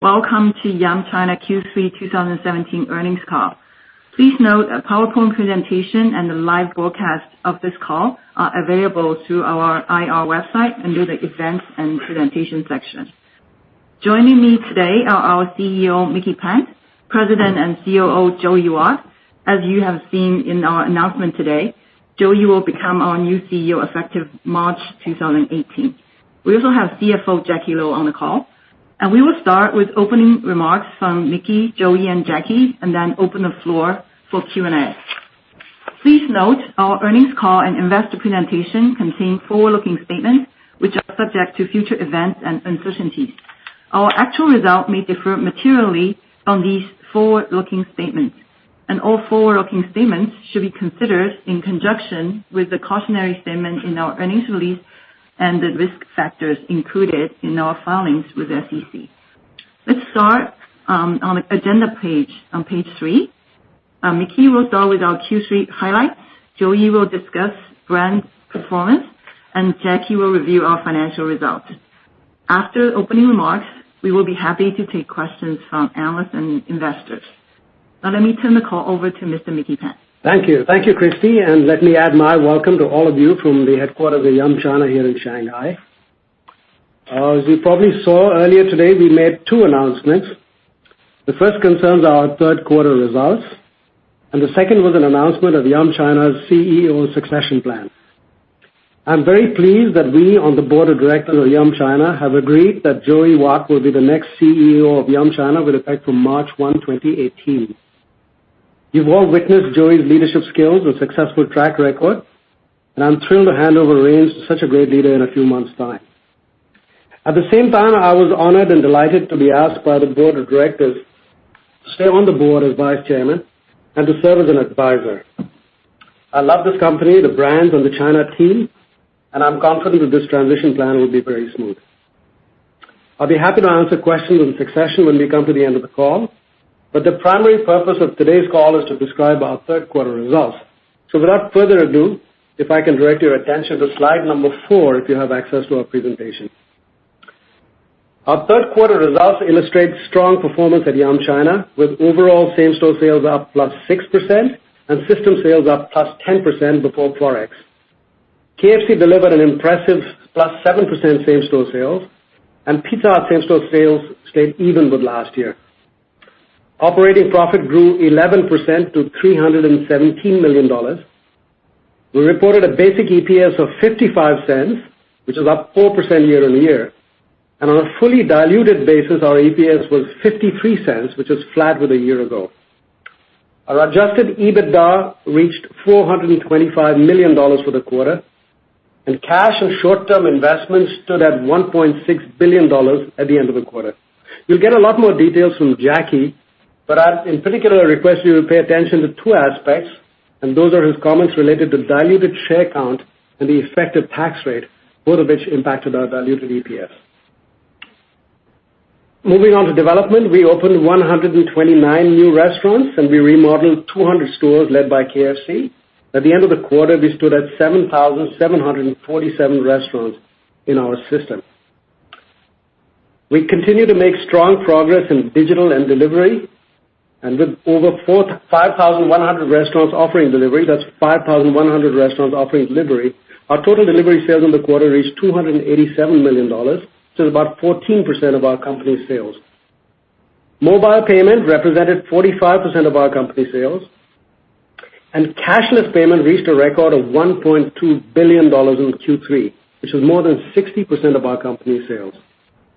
Welcome to Yum China Q3 2017 earnings call. Please note a PowerPoint presentation and the live broadcast of this call are available through our IR website under the Events and Presentation section. Joining me today are our CEO, Micky Pant, President and COO, Joey Wat. As you have seen in our announcement today, Joey will become our new CEO effective March 2018. We also have CFO Jacky Lo on the call. We will start with opening remarks from Micky, Joey, and Jacky, then open the floor for Q&A. Please note our earnings call and investor presentation contain forward-looking statements which are subject to future events and uncertainties. Our actual results may differ materially from these forward-looking statements. All forward-looking statements should be considered in conjunction with the cautionary statement in our earnings release and the risk factors included in our filings with SEC. Let's start on agenda page, on page three. Micky will start with our Q3 highlights. Joey will discuss brand performance. Jacky will review our financial results. After opening remarks, we will be happy to take questions from analysts and investors. Now let me turn the call over to Mr. Micky Pant. Thank you. Thank you, Christie. Let me add my welcome to all of you from the headquarters of Yum China here in Shanghai. As you probably saw earlier today, we made two announcements. The first concerns our third quarter results. The second was an announcement of Yum China's CEO succession plan. I'm very pleased that we on the board of directors of Yum China have agreed that Joey Wat will be the next CEO of Yum China with effect from March 1, 2018. You've all witnessed Joey's leadership skills and successful track record. I'm thrilled to hand over reins to such a great leader in a few months' time. At the same time, I was honored and delighted to be asked by the board of directors to stay on the board as vice-chairman and to serve as an advisor. I love this company, the brands, and the China team. I'm confident that this transition plan will be very smooth. I'll be happy to answer questions on succession when we come to the end of the call, but the primary purpose of today's call is to describe our third quarter results. Without further ado, if I can direct your attention to slide number four, if you have access to our presentation. Our third quarter results illustrate strong performance at Yum China with overall same-store sales up +6% and system sales up +10% before Forex. KFC delivered an impressive +7% same-store sales. Pizza Hut same-store sales stayed even with last year. Operating profit grew 11% to $317 million. We reported a basic EPS of $0.55, which is up 4% year-over-year. On a fully diluted basis, our EPS was $0.53, which is flat with a year ago. Our adjusted EBITDA reached $425 million for the quarter, and cash and short-term investments stood at $1.6 billion at the end of the quarter. You will get a lot more details from Jacky, but I would in particular request you to pay attention to two aspects, and those are his comments related to diluted share count and the effective tax rate, both of which impacted our value to the EPS. Moving on to development, we opened 129 new restaurants, and we remodeled 200 stores led by KFC. At the end of the quarter, we stood at 7,747 restaurants in our system. We continue to make strong progress in digital and delivery, and with over 5,100 restaurants offering delivery, that is 5,100 restaurants offering delivery. Our total delivery sales in the quarter reached $287 million, so it is about 14% of our company's sales. Mobile payment represented 45% of our company sales, and cashless payment reached a record of $1.2 billion in Q3, which was more than 60% of our company sales.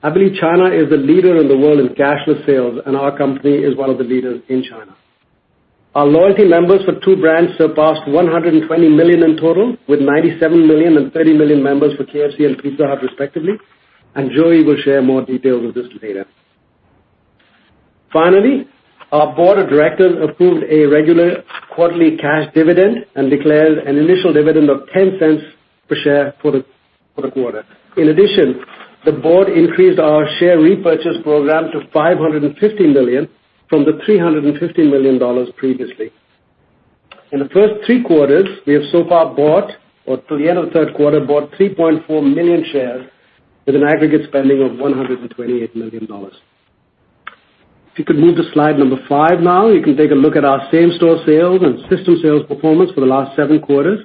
I believe China is the leader in the world in cashless sales, and our company is one of the leaders in China. Our loyalty members for two brands surpassed 120 million in total, with 97 million and 30 million members for KFC and Pizza Hut respectively, and Joey will share more details of this later. Our board of directors approved a regular quarterly cash dividend and declared an initial dividend of $0.10 per share for the quarter. The board increased our share repurchase program to $550 million from the $350 million previously. In the first three quarters, we have so far bought, or through the end of the third quarter, bought 3.4 million shares with an aggregate spending of $128 million. You could move to slide number five now, you can take a look at our same-store sales and system sales performance for the last seven quarters.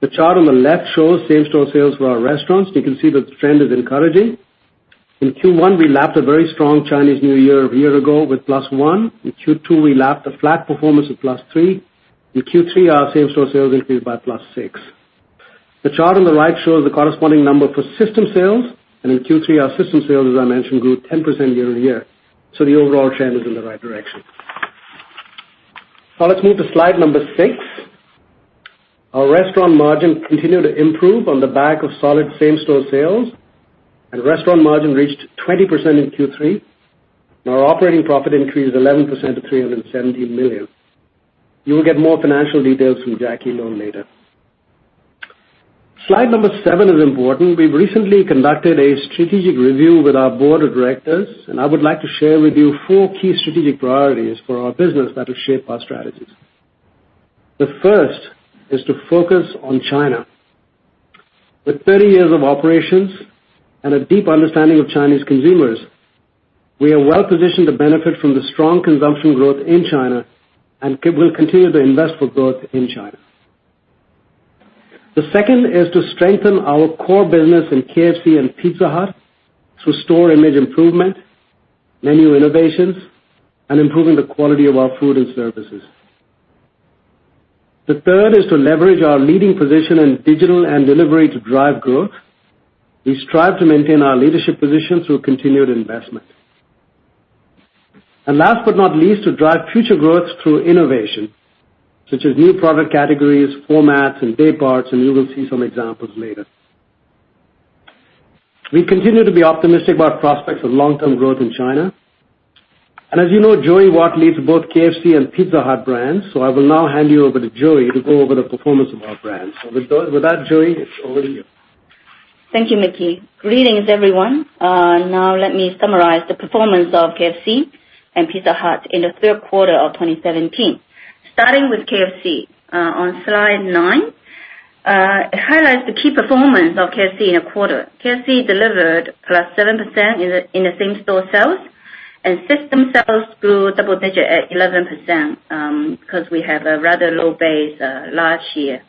The chart on the left shows same-store sales for our restaurants. You can see the trend is encouraging. In Q1, we lapped a very strong Chinese New Year a year ago with +1. In Q2, we lapped a flat performance of +3. In Q3, our same-store sales increased by +6. The chart on the right shows the corresponding number for system sales, and in Q3, our system sales, as I mentioned, grew 10% year-over-year. The overall trend is in the right direction. Let's move to slide number six. Our restaurant margin continued to improve on the back of solid same-store sales, and restaurant margin reached 20% in Q3. Our operating profit increased 11% to $317 million. You will get more financial details from Jacky Lo later. Slide number seven is important. We recently conducted a strategic review with our board of directors, and I would like to share with you four key strategic priorities for our business that will shape our strategies. The first is to focus on China. With 30 years of operations and a deep understanding of Chinese consumers, we are well-positioned to benefit from the strong consumption growth in China and will continue to invest for growth in China. The second is to strengthen our core business in KFC and Pizza Hut through store image improvement, menu innovations, and improving the quality of our food and services. The third is to leverage our leading position in digital and delivery to drive growth. We strive to maintain our leadership position through continued investment. Last but not least, to drive future growth through innovation, such as new product categories, formats, and day parts, and you will see some examples later. We continue to be optimistic about prospects of long-term growth in China. As you know, Joey Wat leads both KFC and Pizza Hut brands, I will now hand you over to Joey to go over the performance of our brands. With that, Joey, it's over to you. Thank you, Micky. Greetings, everyone. Let me summarize the performance of KFC and Pizza Hut in the third quarter of 2017. Starting with KFC. On slide nine, it highlights the key performance of KFC in a quarter. KFC delivered +7% in the same-store sales, and system sales grew double-digit at 11%, because we have a rather low base last year.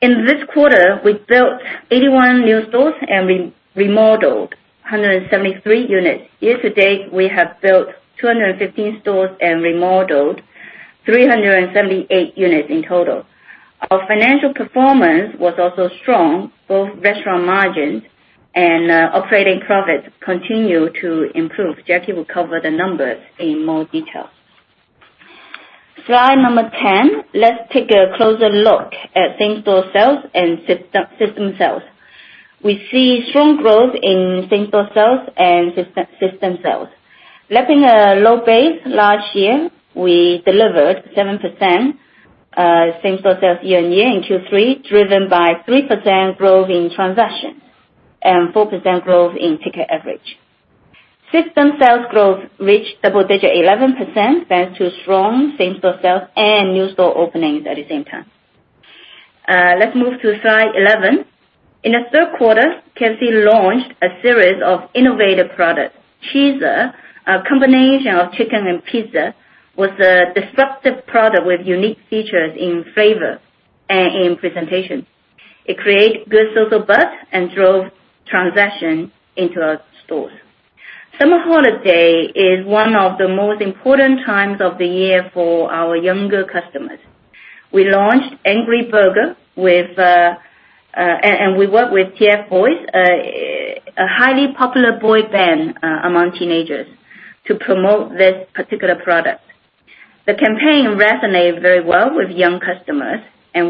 In this quarter, we built 81 new stores and we remodeled 173 units. Year-to-date, we have built 215 stores and remodeled 378 units in total. Our financial performance was also strong. Both restaurant margins and operating profits continue to improve. Jacky will cover the numbers in more detail. Slide number 10, let's take a closer look at same-store sales and system sales. Lapping a low base last year, we delivered 7% same-store sales year-on-year in Q3, driven by 3% growth in transactions and 4% growth in ticket average. System sales growth reached double-digit 11%, thanks to strong same-store sales and new store openings at the same time. Let's move to slide 11. In the third quarter, KFC launched a series of innovative products. Chizza, a combination of chicken and pizza, was a disruptive product with unique features in flavor and in presentation. It created good social buzz and drove transactions into our stores. Summer holiday is one of the most important times of the year for our younger customers. We launched Angry Burger, We worked with TFBoys, a highly popular boy band among teenagers, to promote this particular product. The campaign resonated very well with young customers,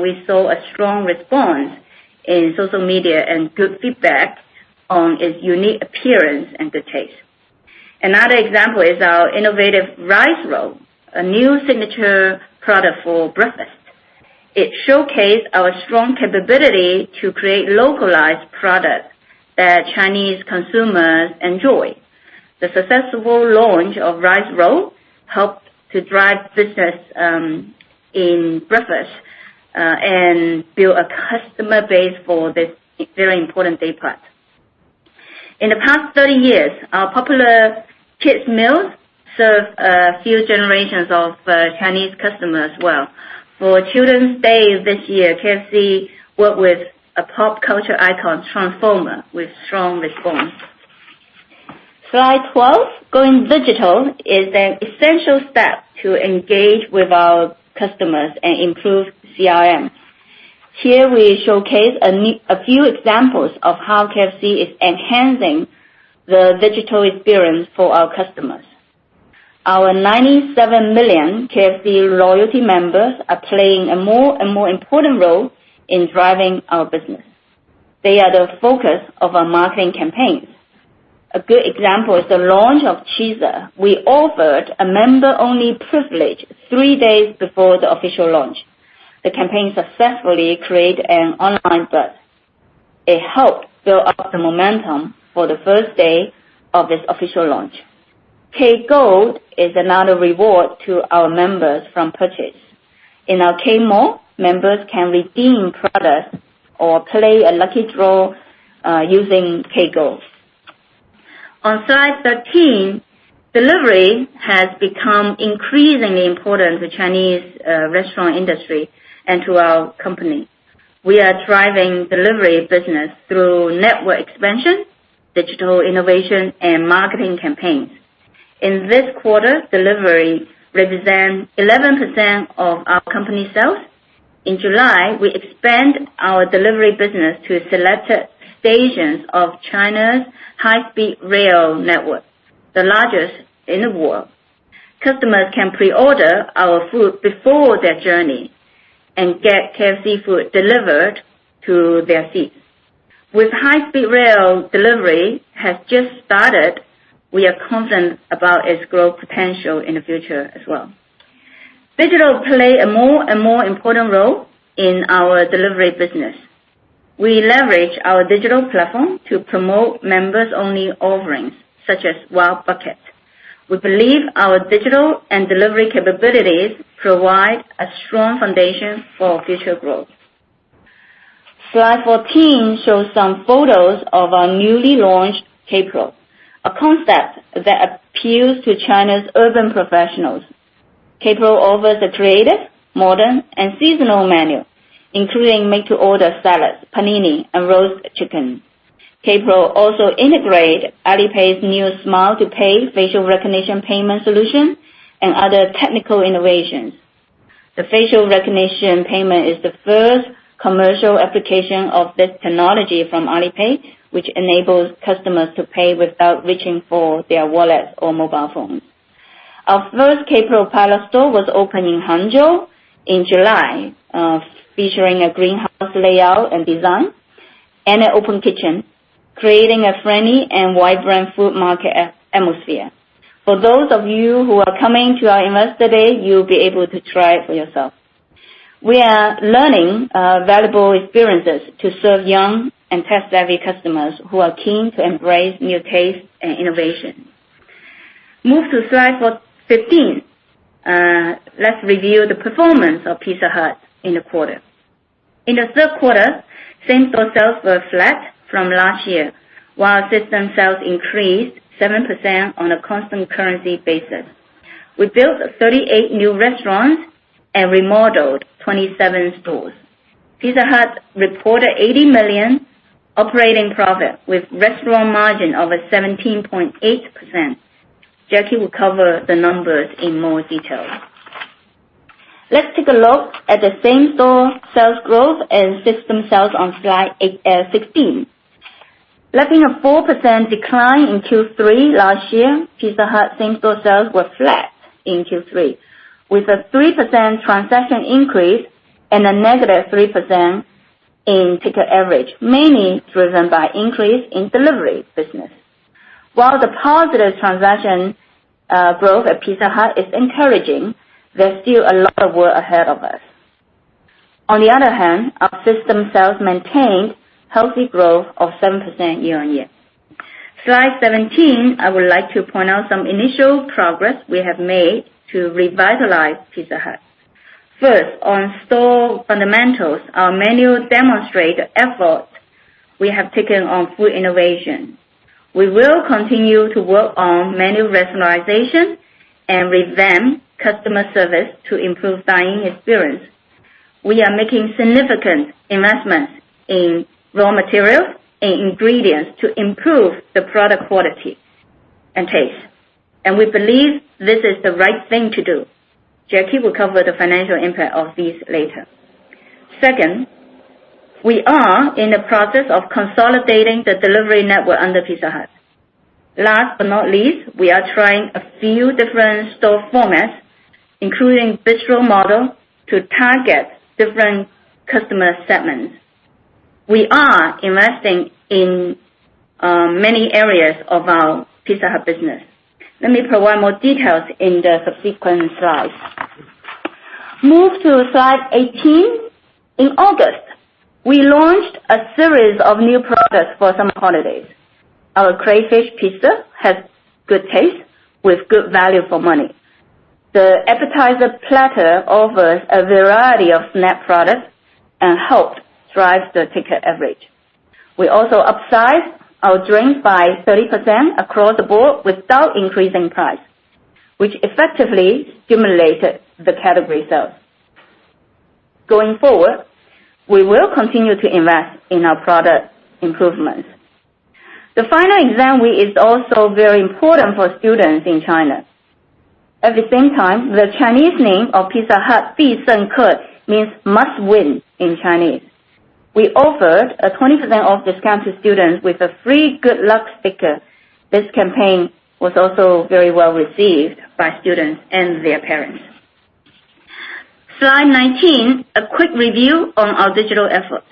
We saw a strong response in social media and good feedback on its unique appearance and good taste. Another example is our innovative rice roll, a new signature product for breakfast. It showcased our strong capability to create localized products that Chinese consumers enjoy. The successful launch of rice roll helped to drive business in breakfast, Build a customer base for this very important day part. In the past 30 years, our popular kids meals served a few generations of Chinese customers well. For Children's Day this year, KFC worked with a pop culture icon, Transformers, with strong response. Slide 12. Going digital is an essential step to engage with our customers and improve CRM. Here we showcase a few examples of how KFC is enhancing the digital experience for our customers. Our 97 million KFC loyalty members are playing a more and more important role in driving our business. They are the focus of our marketing campaigns. A good example is the launch of Chizza. We offered a member-only privilege three days before the official launch. The campaign successfully created an online buzz. It helped build up the momentum for the first day of its official launch. K Gold is another reward to our members from purchase. In our K-Mall, members can redeem products or play a lucky draw using K Gold. On slide 13, delivery has become increasingly important to Chinese restaurant industry and to our company. We are driving delivery business through network expansion, digital innovation, and marketing campaigns. In this quarter, delivery represents 14% of our company sales. In July, we expanded our delivery business to selected stations of China's high-speed rail network, the largest in the world. Customers can pre-order our food before their journey and get KFC food delivered to their seats. With high-speed rail, delivery has just started. We are confident about its growth potential in the future as well. Digital play a more and more important role in our delivery business. We leverage our digital platform to promote members-only offerings, such as Wow Bucket. We believe our digital and delivery capabilities provide a strong foundation for our future growth. Slide 14 shows some photos of our newly launched KPRO, a concept that appeals to China's urban professionals. KPRO offers a creative, modern, and seasonal menu, including made-to-order salads, panini, and roast chicken. KPRO also integrates Alipay's new Smile to Pay facial recognition payment solution and other technical innovations. The facial recognition payment is the first commercial application of this technology from Alipay, which enables customers to pay without reaching for their wallets or mobile phones. Our first KPRO pilot store was opened in Hangzhou in July, featuring a greenhouse layout and design and an open kitchen, creating a friendly and vibrant food market atmosphere. For those of you who are coming to our Investor Day, you'll be able to try it for yourself. We are learning valuable experiences to serve young and tech-savvy customers who are keen to embrace new tastes and innovation. Move to slide 15. Let's review the performance of Pizza Hut in the quarter. In the third quarter, same-store sales were flat from last year, while system sales increased 7% on a constant currency basis. We built 38 new restaurants and remodeled 27 stores. Pizza Hut reported 80 million operating profit with restaurant margin over 17.8%. Jacky will cover the numbers in more detail. Let's take a look at the same-store sales growth and system sales on slide 16. Letting a 4% decline in Q3 last year, Pizza Hut same-store sales were flat in Q3, with a 3% transaction increase and a negative 3% in ticket average, mainly driven by increase in delivery business. While the positive transaction growth at Pizza Hut is encouraging, there's still a lot of work ahead of us. On the other hand, our system sales maintained healthy growth of 7% year-on-year. Slide 17, I would like to point out some initial progress we have made to revitalize Pizza Hut. First, on store fundamentals, our menu demonstrate effort we have taken on food innovation. We will continue to work on menu rationalization and revamp customer service to improve dine-in experience. We are making significant investments in raw materials and ingredients to improve the product quality and taste, and we believe this is the right thing to do. Jacky will cover the financial impact of these later. Second, we are in the process of consolidating the delivery network under Pizza Hut. Last but not least, we are trying a few different store formats, including virtual model, to target different customer segments. We are investing in many areas of our Pizza Hut business. Let me provide more details in the subsequent slides. Move to slide 18. In August, we launched a series of new products for summer holidays. Our crayfish pizza has good taste with good value for money. The appetizer platter offers a variety of snack products and helped drive the ticket average. We also upsized our drink by 30% across the board without increasing price, which effectively stimulated the category sales. Going forward, we will continue to invest in our product improvements. The final exam week is also very important for students in China. At the same time, the Chinese name of Pizza Hut, 必胜 客, means must win in Chinese. We offered a 20% off discount to students with a free good luck sticker. This campaign was also very well received by students and their parents. Slide 19, a quick review on our digital efforts.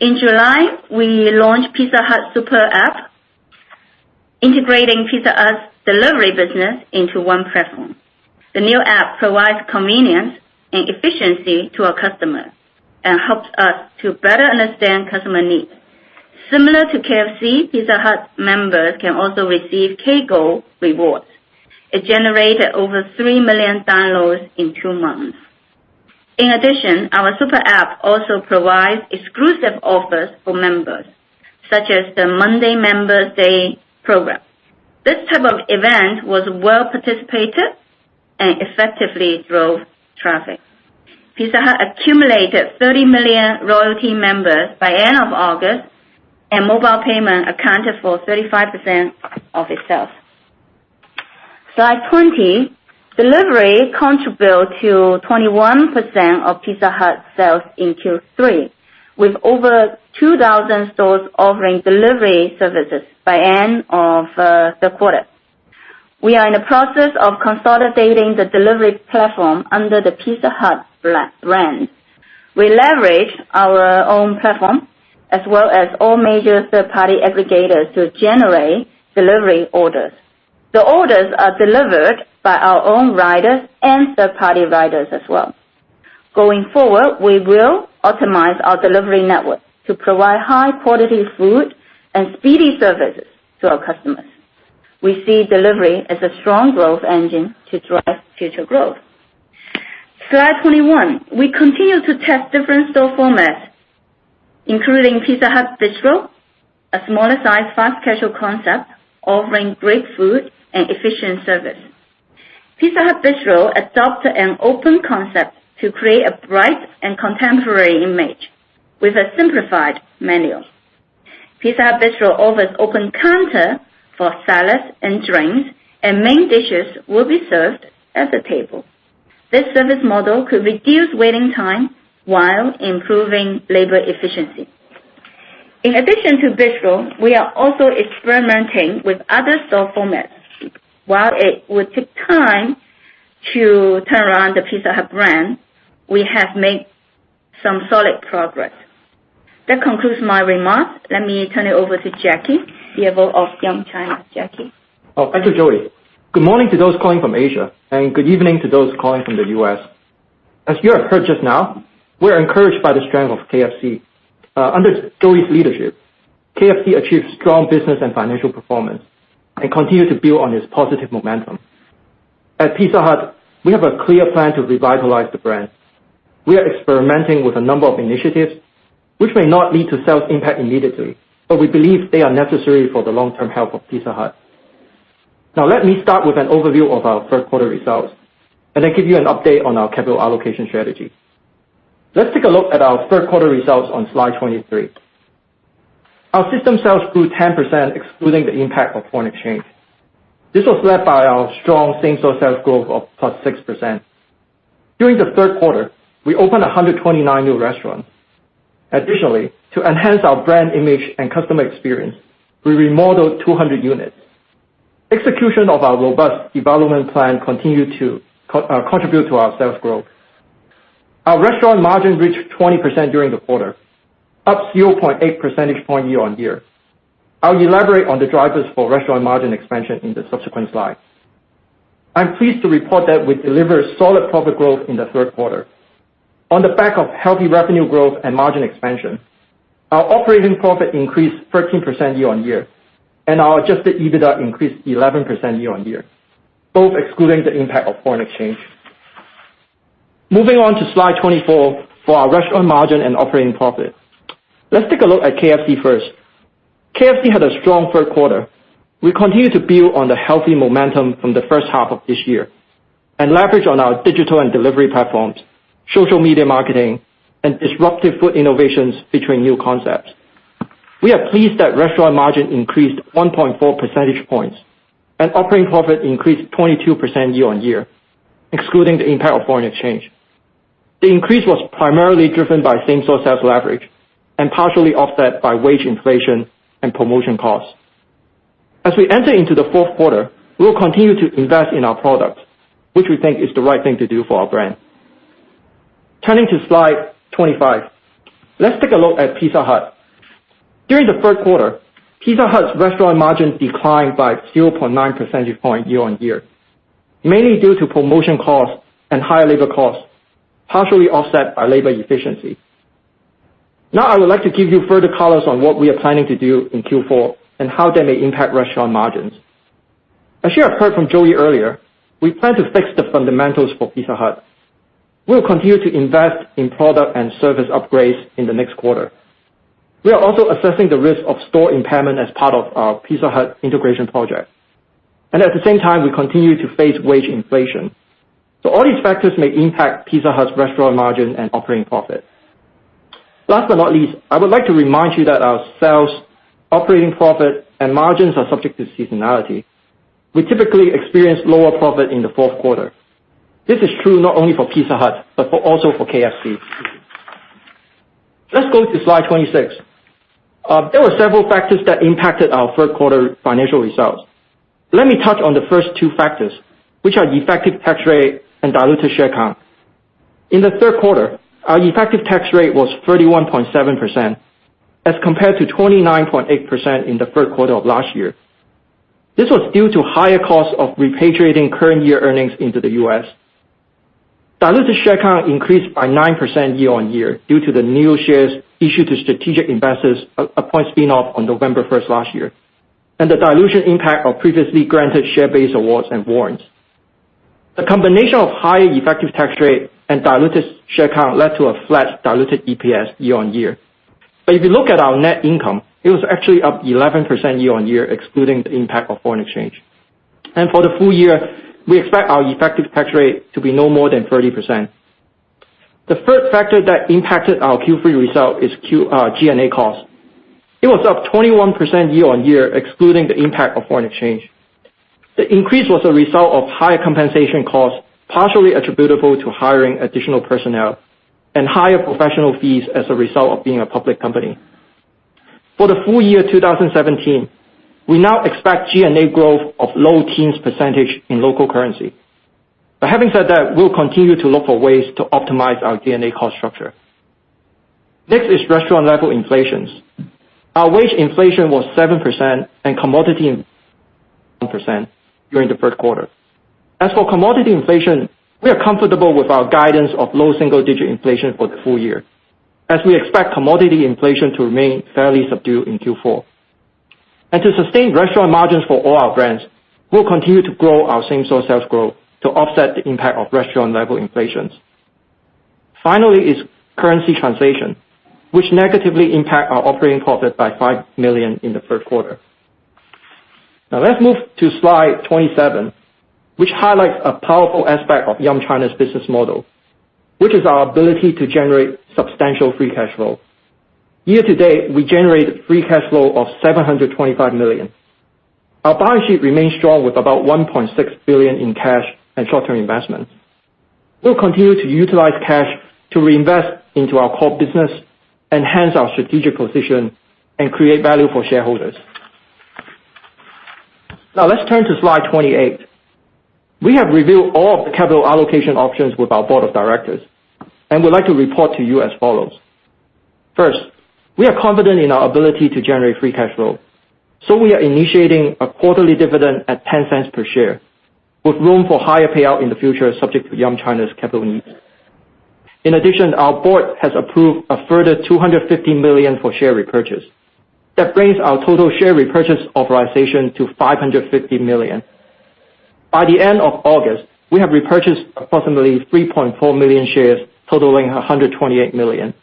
In July, we launched Pizza Hut Super App, integrating Pizza Hut's delivery business into one platform. The new app provides convenience and efficiency to our customers and helps us to better understand customer needs. Similar to KFC, Pizza Hut members can also receive K Gold rewards. It generated over 3 million downloads in two months. In addition, our Super App also provides exclusive offers for members, such as the Monday Members Day program. This type of event was well-participated and effectively drove traffic. Pizza Hut accumulated 30 million loyalty members by end of August, and mobile payment accounted for 35% of its sales. Slide 20. Delivery contributed to 21% of Pizza Hut sales in Q3, with over 2,000 stores offering delivery services by end of the quarter. We are in the process of consolidating the delivery platform under the Pizza Hut brand. We leverage our own platform as well as all major third-party aggregators to generate delivery orders. The orders are delivered by our own riders and third-party riders as well. Going forward, we will optimize our delivery network to provide high-quality food and speedy services to our customers. We see delivery as a strong growth engine to drive future growth. Slide 21. We continue to test different store formats, including Pizza Hut Bistro, a smaller size fast casual concept offering great food and efficient service. Pizza Hut Bistro adopts an open concept to create a bright and contemporary image with a simplified menu. Pizza Hut Bistro offers open counter for salads and drinks, and main dishes will be served at the table. This service model could reduce waiting time while improving labor efficiency. In addition to Bistro, we are also experimenting with other store formats. While it will take time to turn around the Pizza Hut brand, we have made some solid progress. That concludes my remarks. Let me turn it over to Jacky, CEO of Yum China. Jacky? Thank you, Joey. Good morning to those calling from Asia, and good evening to those calling from the U.S. As you have heard just now, we're encouraged by the strength of KFC. Under Joey's leadership, KFC achieved strong business and financial performance and continue to build on its positive momentum. At Pizza Hut, we have a clear plan to revitalize the brand. We are experimenting with a number of initiatives, which may not lead to sales impact immediately, but we believe they are necessary for the long-term health of Pizza Hut. Let me start with an overview of our third quarter results, give you an update on our capital allocation strategy. Let's take a look at our third quarter results on slide 23. Our system sales grew 10%, excluding the impact of foreign exchange. This was led by our strong same-store sales growth of plus 6%. During the third quarter, we opened 129 new restaurants. Additionally, to enhance our brand image and customer experience, we remodeled 200 units. Execution of our robust development plan continued to contribute to our sales growth. Our restaurant margin reached 20% during the quarter, up 0.8 percentage point year-on-year. I'll elaborate on the drivers for restaurant margin expansion in the subsequent slides. I'm pleased to report that we delivered solid profit growth in the third quarter. On the back of healthy revenue growth and margin expansion, our operating profit increased 13% year-on-year, our adjusted EBITDA increased 11% year-on-year, both excluding the impact of foreign exchange. Moving on to Slide 24 for our restaurant margin and operating profit. Let's take a look at KFC first. KFC had a strong third quarter. We continue to build on the healthy momentum from the first half of this year leverage on our digital and delivery platforms, social media marketing, and disruptive food innovations featuring new concepts. We are pleased that restaurant margin increased 1.4 percentage points, operating profit increased 22% year-on-year, excluding the impact of foreign exchange. The increase was primarily driven by same-store sales leverage and partially offset by wage inflation and promotion costs. As we enter into the fourth quarter, we will continue to invest in our products, which we think is the right thing to do for our brand. Turning to slide 25. Let's take a look at Pizza Hut. During the third quarter, Pizza Hut's restaurant margin declined by 0.9 percentage point year-on-year, mainly due to promotion costs and higher labor costs, partially offset by labor efficiency. I would like to give you further colors on what we are planning to do in Q4 and how that may impact restaurant margins. As you have heard from Joey earlier, we plan to fix the fundamentals for Pizza Hut. We will continue to invest in product and service upgrades in the next quarter. We are also assessing the risk of store impairment as part of our Pizza Hut integration project. At the same time, we continue to face wage inflation. All these factors may impact Pizza Hut's restaurant margin and operating profit. Last but not least, I would like to remind you that our sales, operating profit, and margins are subject to seasonality. We typically experience lower profit in the fourth quarter. This is true not only for Pizza Hut but also for KFC. Let's go to slide 26. There were several factors that impacted our third quarter financial results. Let me touch on the first two factors, which are effective tax rate and diluted share count. In the third quarter, our effective tax rate was 31.7% as compared to 29.8% in the third quarter of last year. This was due to higher costs of repatriating current year earnings into the U.S. Diluted share count increased by 9% year-on-year due to the new shares issued to strategic investors upon spin-off on November 1st last year and the dilution impact of previously granted share-based awards and warrants. The combination of high effective tax rate and diluted share count led to a flat diluted EPS year-on-year. If you look at our net income, it was actually up 11% year-on-year, excluding the impact of foreign exchange. For the full year, we expect our effective tax rate to be no more than 30%. The third factor that impacted our Q3 result is G&A cost. It was up 21% year-on-year, excluding the impact of foreign exchange. The increase was a result of higher compensation costs, partially attributable to hiring additional personnel and higher professional fees as a result of being a public company. For the full year 2017, we now expect G&A growth of low teens percentage in local currency. Having said that, we'll continue to look for ways to optimize our G&A cost structure. Next is restaurant-level inflations. Our wage inflation was 7% and commodity percent during the first quarter. As for commodity inflation, we are comfortable with our guidance of low single-digit inflation for the full year, as we expect commodity inflation to remain fairly subdued in Q4. To sustain restaurant margins for all our brands, we'll continue to grow our same-store sales growth to offset the impact of restaurant-level inflations. Finally is currency translation, which negatively impact our operating profit by $5 million in the first quarter. Now let's move to slide 27, which highlights a powerful aspect of Yum China's business model, which is our ability to generate substantial free cash flow. Year to date, we generated free cash flow of $725 million. Our balance sheet remains strong with about $1.6 billion in cash and short-term investments. We'll continue to utilize cash to reinvest into our core business, enhance our strategic position, and create value for shareholders. Now let's turn to slide 28. We have reviewed all of the capital allocation options with our board of directors, and would like to report to you as follows. First, we are confident in our ability to generate free cash flow, we are initiating a quarterly dividend at $0.10 per share, with room for higher payout in the future subject to Yum China's capital needs. In addition, our board has approved a further $250 million for share repurchase. That brings our total share repurchase authorization to $550 million. By the end of August, we have repurchased approximately 3.4 million shares totaling $128 million.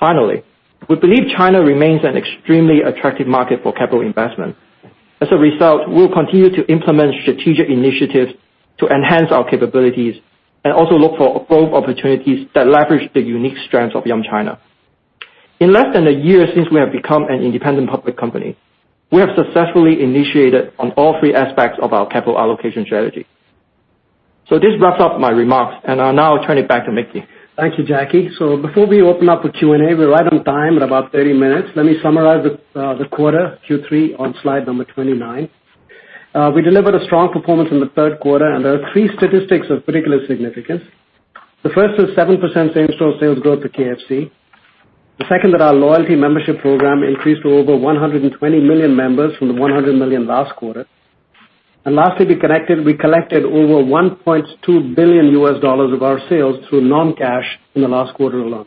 Finally, we believe China remains an extremely attractive market for capital investment. As a result, we'll continue to implement strategic initiatives to enhance our capabilities and also look for growth opportunities that leverage the unique strengths of Yum China. In less than a year since we have become an independent public company, we have successfully initiated on all three aspects of our capital allocation strategy. This wraps up my remarks, and I'll now turn it back to Micky. Thank you, Jacky. Before we open up for Q&A, we're right on time at about 30 minutes. Let me summarize the quarter, Q3, on slide number 29. We delivered a strong performance in the third quarter, there are three statistics of particular significance. The first is 7% same-store sales growth at KFC. The second that our loyalty membership program increased to over 120 million members from the 100 million last quarter. Lastly, we collected over $1.2 billion US of our sales through non-cash in the last quarter alone.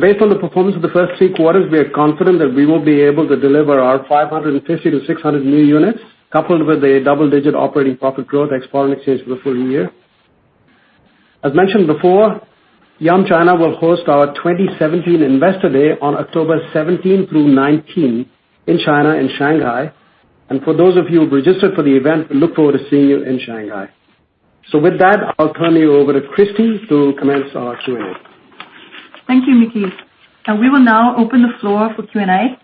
Based on the performance of the first three quarters, we are confident that we will be able to deliver our 550-600 new units, coupled with a double-digit operating profit growth ex foreign exchange for the full year. As mentioned before, Yum China will host our 2017 Investor Day on October 17 through 19 in China in Shanghai. For those of you who registered for the event, we look forward to seeing you in Shanghai. With that, I'll turn you over to Christie to commence our Q&A. Thank you, Micky. We will now open the floor for Q&A.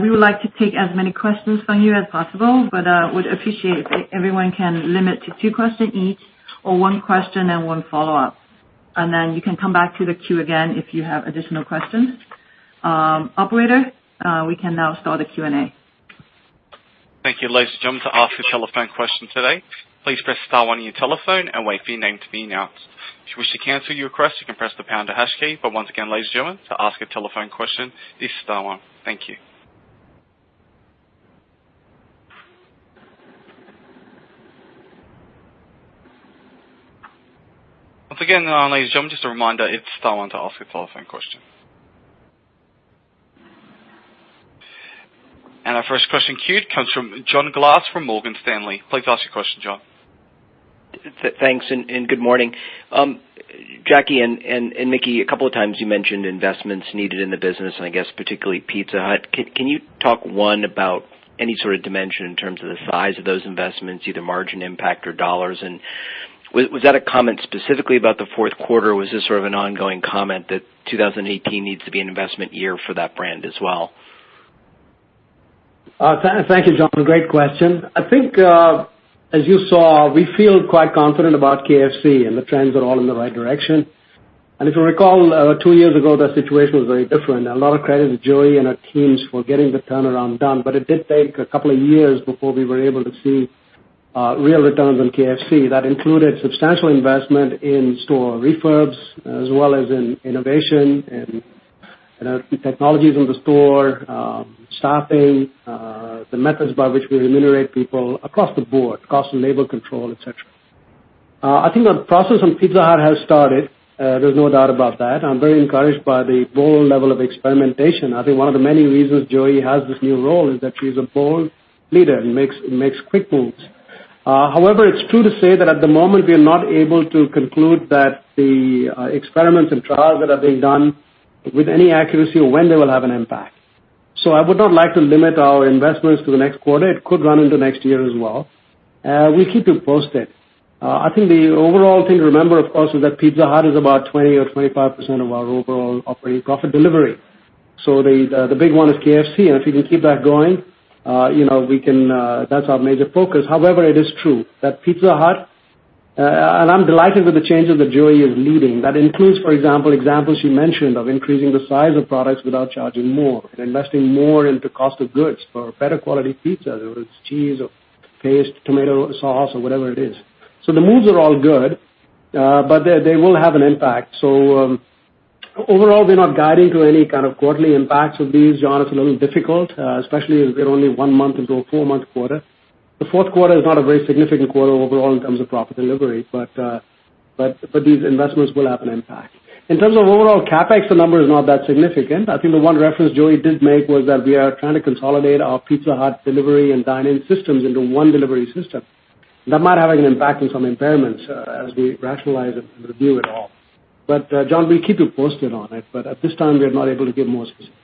We would like to take as many questions from you as possible, but would appreciate if everyone can limit to two questions each, or one question and one follow-up. Then you can come back to the queue again if you have additional questions. Operator, we can now start the Q&A. Thank you. Ladies and gentlemen, to ask a telephone question today, please press star one on your telephone and wait for your name to be announced. If you wish to cancel your request, you can press the pound or hash key. Once again, ladies and gentlemen, to ask a telephone question, it's star one. Thank you. Once again, ladies and gentlemen, just a reminder, it's star one to ask a telephone question. Our first question queued comes from John Glass from Morgan Stanley. Please ask your question, John. Thanks, good morning. Jacky and Micky, a couple of times you mentioned investments needed in the business, and I guess particularly Pizza Hut. Can you talk, one, about any sort of dimension in terms of the size of those investments, either margin impact or dollars? Was that a comment specifically about the fourth quarter, or was this sort of an ongoing comment that 2018 needs to be an investment year for that brand as well? Thank you, John. A great question. I think, as you saw, we feel quite confident about KFC and the trends are all in the right direction. If you recall, two years ago, that situation was very different. A lot of credit to Joey and her teams for getting the turnaround done, but it did take a couple of years before we were able to see real returns on KFC. That included substantial investment in store refurbs, as well as in innovation and technologies in the store, staffing, the methods by which we remunerate people across the board, cost and labor control, et cetera. I think that process on Pizza Hut has started. There's no doubt about that. I'm very encouraged by the bold level of experimentation. I think one of the many reasons Joey has this new role is that she's a bold leader and makes quick moves. It's true to say that at the moment, we are not able to conclude that the experiments and trials that are being done with any accuracy or when they will have an impact. I would not like to limit our investments to the next quarter. It could run into next year as well. We'll keep you posted. I think the overall thing to remember, of course, is that Pizza Hut is about 20% or 25% of our overall operating profit delivery. The big one is KFC. If we can keep that going, that's our major focus. It is true that Pizza Hut, and I'm delighted with the changes that Joey is leading. That includes, for example, examples she mentioned of increasing the size of products without charging more and investing more into cost of goods for better quality pizza, whether it's cheese or paste, tomato sauce or whatever it is. The moves are all good, but they will have an impact. Overall, we're not guiding to any kind of quarterly impacts of these, John. It's a little difficult, especially as we're only one month into a four-month quarter. The fourth quarter is not a very significant quarter overall in terms of profit delivery, but these investments will have an impact. In terms of overall CapEx, the number is not that significant. I think the one reference Joey did make was that we are trying to consolidate our Pizza Hut delivery and dine-in systems into one delivery system. That might have an impact on some impairments as we rationalize and review it all. John, we'll keep you posted on it. At this time, we are not able to give more specifics.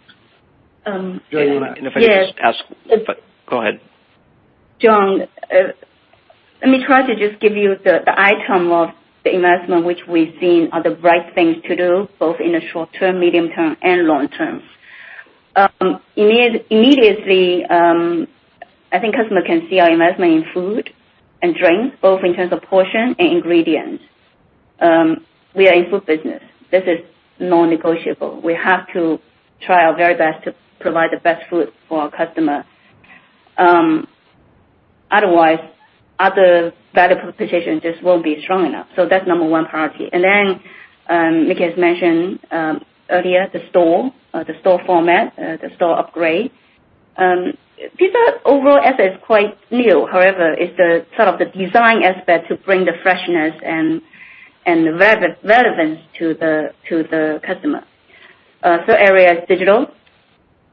Joey, if I could just ask. Yes. Go ahead. John, let me try to just give you the item of the investment, which we've seen are the right things to do, both in the short term, medium term, and long term. Immediately, I think customer can see our investment in food and drink, both in terms of portion and ingredients. We are in food business. This is non-negotiable. We have to try our very best to provide the best food for our customer. Otherwise, other value proposition just won't be strong enough. That's number one priority. Micky has mentioned earlier, the store, the store format, the store upgrade. Pizza Hut overall effort is quite new, however, it's the sort of the design aspect to bring the freshness and relevance to the customer. Area is digital.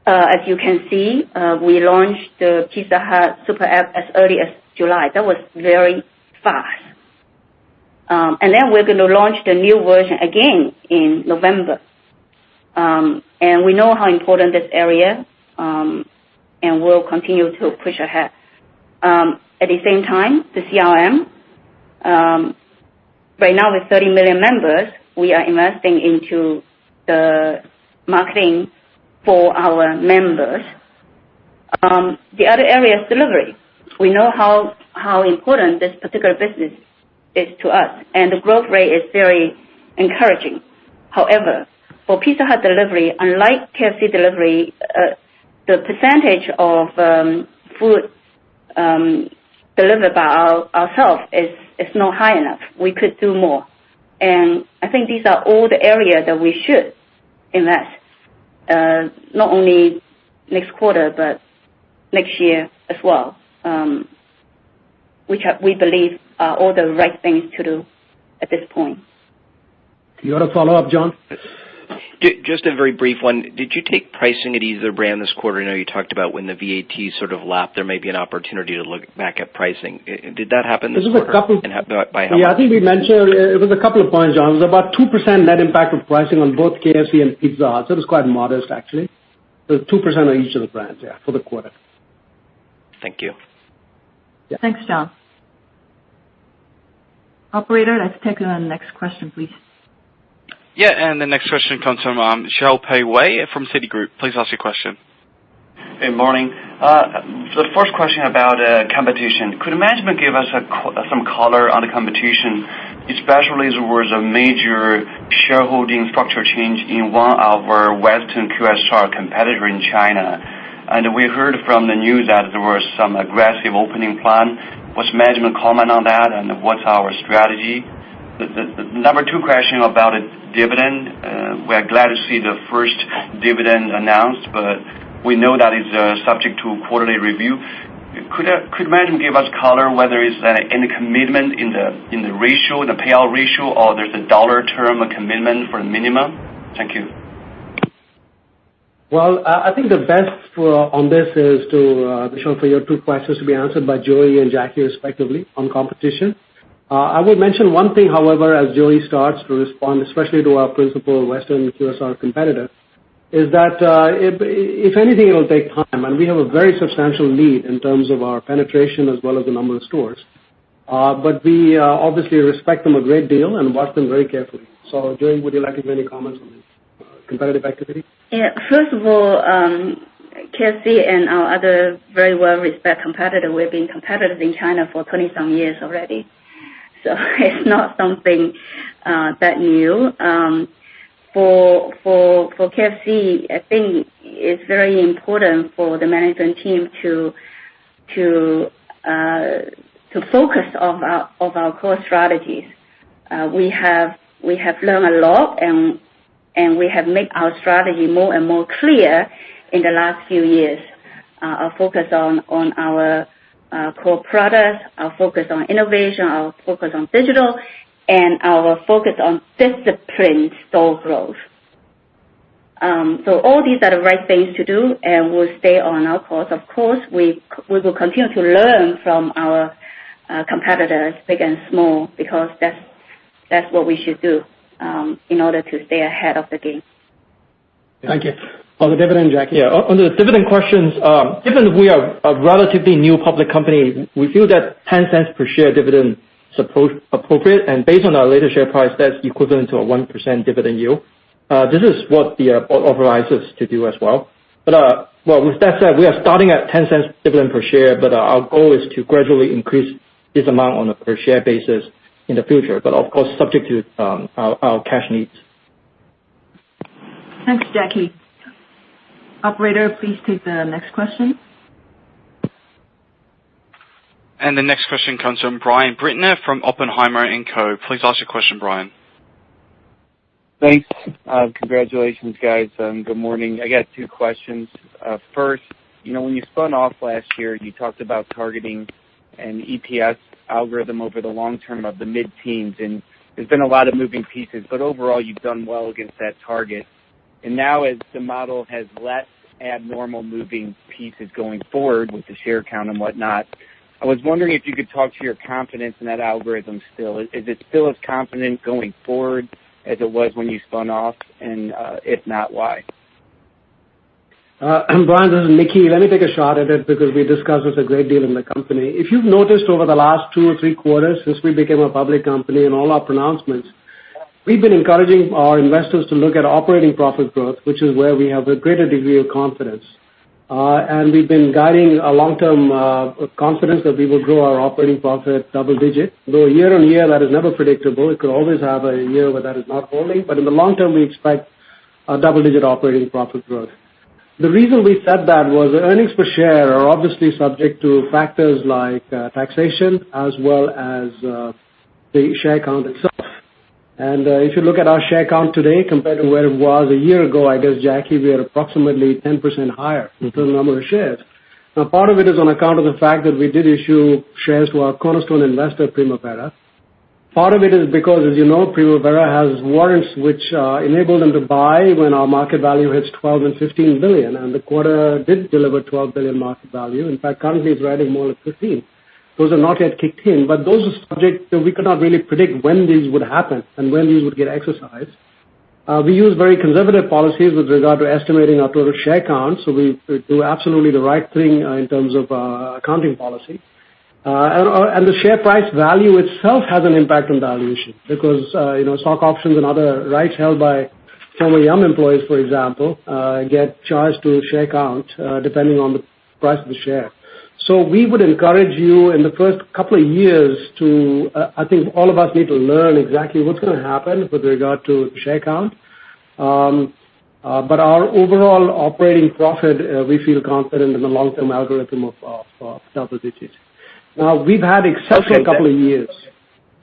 As you can see, we launched the Pizza Hut Super App as early as July. That was very fast. We're going to launch the new version again in November. We know how important this area, and we'll continue to push ahead. At the same time, the CRM. Right now with 30 million members, we are investing into the marketing for our members. The other area is delivery. We know how important this particular business is to us, and the growth rate is very encouraging. However, for Pizza Hut delivery, unlike KFC delivery, the percentage of food delivered by ourself is not high enough. We could do more. I think these are all the areas that we should invest, not only next quarter, but next year as well. Which we believe are all the right things to do at this point. You want to follow up, John? Just a very brief one. Did you take pricing at either brand this quarter? I know you talked about when the VAT sort of lapped, there may be an opportunity to look back at pricing. Did that happen this quarter? This is a couple- By how much? Yeah, I think we mentioned, it was a couple of points, John. It was about 2% net impact of pricing on both KFC and Pizza Hut. It was quite modest actually. 2% on each of the brands, yeah, for the quarter. Thank you. Yeah. Thanks, John. Operator, let's take the next question, please. Yeah. The next question comes from Xiaopei Wei from Citigroup. Please ask your question. Good morning. The first question about competition. Could management give us some color on the competition, especially as there was a major shareholding structure change in one of our Western QSR competitor in China. We heard from the news that there was some aggressive opening plan. What's management comment on that, and what's our strategy? The number two question about dividend. We are glad to see the first dividend announced, but we know that is subject to quarterly review. Could management give us color whether it's any commitment in the ratio, in the payout ratio, or there's a dollar term commitment for minimum? Thank you. Well, I think the best on this is to, Xiaopei, your two questions will be answered by Joey and Jacky, respectively, on competition. I would mention one thing, however, as Joey starts to respond, especially to our principal Western QSR competitor, is that, if anything, it'll take time. We have a very substantial lead in terms of our penetration as well as the number of stores. We obviously respect them a great deal and watch them very carefully. Joey, would you like to maybe comment on this competitive activity? First of all, KFC and our other very well-respected competitor, we've been competitive in China for 20 some years already. It's not something that new. For KFC, I think it's very important for the management team to focus on our core strategies. We have learned a lot, and we have made our strategy more and more clear in the last few years. Our focus on our core products, our focus on innovation, our focus on digital, and our focus on disciplined store growth. All these are the right things to do, and we'll stay on our course. Of course, we will continue to learn from our competitors, big and small, because that's what we should do in order to stay ahead of the game. Thank you. On the dividend, Jacky? On the dividend questions, given we are a relatively new public company, we feel that $0.10 per share dividend is appropriate, and based on our later share price, that's equivalent to a 1% dividend yield. Well, with that said, we are starting at $0.10 dividend per share, but our goal is to gradually increase this amount on a per share basis in the future. Of course, subject to our cash needs. Thanks, Jacky. Operator, please take the next question. The next question comes from Brian Bittner from Oppenheimer & Co. Please ask your question, Brian. Thanks. Congratulations, guys. Good morning. I got two questions. First, when you spun off last year, you talked about targeting an EPS algorithm over the long term of the mid-teens, there's been a lot of moving pieces. Overall, you've done well against that target. Now as the model has less abnormal moving pieces going forward with the share count and whatnot, I was wondering if you could talk to your confidence in that algorithm still. Is it still as confident going forward as it was when you spun off? If not, why? Brian, this is Micky. Let me take a shot at it because we discussed this a great deal in the company. If you've noticed over the last two or three quarters since we became a public company in all our pronouncements, we've been encouraging our investors to look at operating profit growth, which is where we have a greater degree of confidence. We've been guiding a long-term confidence that we will grow our operating profit double digits, though year-on-year, that is never predictable. It could always have a year where that is not holding. In the long term, we expect a double-digit operating profit growth. The reason we said that was earnings per share are obviously subject to factors like taxation as well as the share count itself. If you look at our share count today compared to where it was a year ago, I guess, Jacky, we are approximately 10% higher in terms of the number of shares. Part of it is on account of the fact that we did issue shares to our cornerstone investor, Primavera. Part of it is because, as you know, Primavera has warrants which enable them to buy when our market value hits $12 billion and $15 billion, and the quarter did deliver $12 billion market value. In fact, currently it's riding more like $15 billion. Those have not yet kicked in, but those are subjects that we could not really predict when these would happen and when these would get exercised. We use very conservative policies with regard to estimating our total share count. We do absolutely the right thing in terms of accounting policy. The share price value itself has an impact on valuation because stock options and other rights held by some of the Yum employees, for example, get charged to share count, depending on the price of the share. We would encourage you in the first couple of years to, I think all of us need to learn exactly what's going to happen with regard to share count. Our overall operating profit, we feel confident in the long-term algorithm of double digits. We've had exceptional couple of years.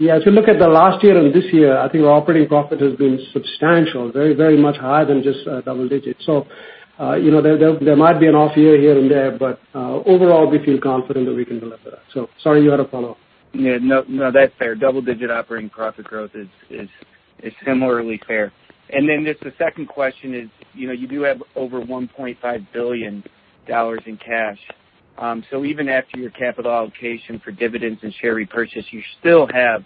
If you look at the last year and this year, I think our operating profit has been substantial, very much higher than just double digits. There might be an off year here and there, but, overall, we feel confident that we can deliver that. Sorry, you had a follow-up. No, that's fair. Double-digit operating profit growth is similarly fair. Then just the second question is, you do have over $1.5 billion in cash. Even after your capital allocation for dividends and share repurchase, you still have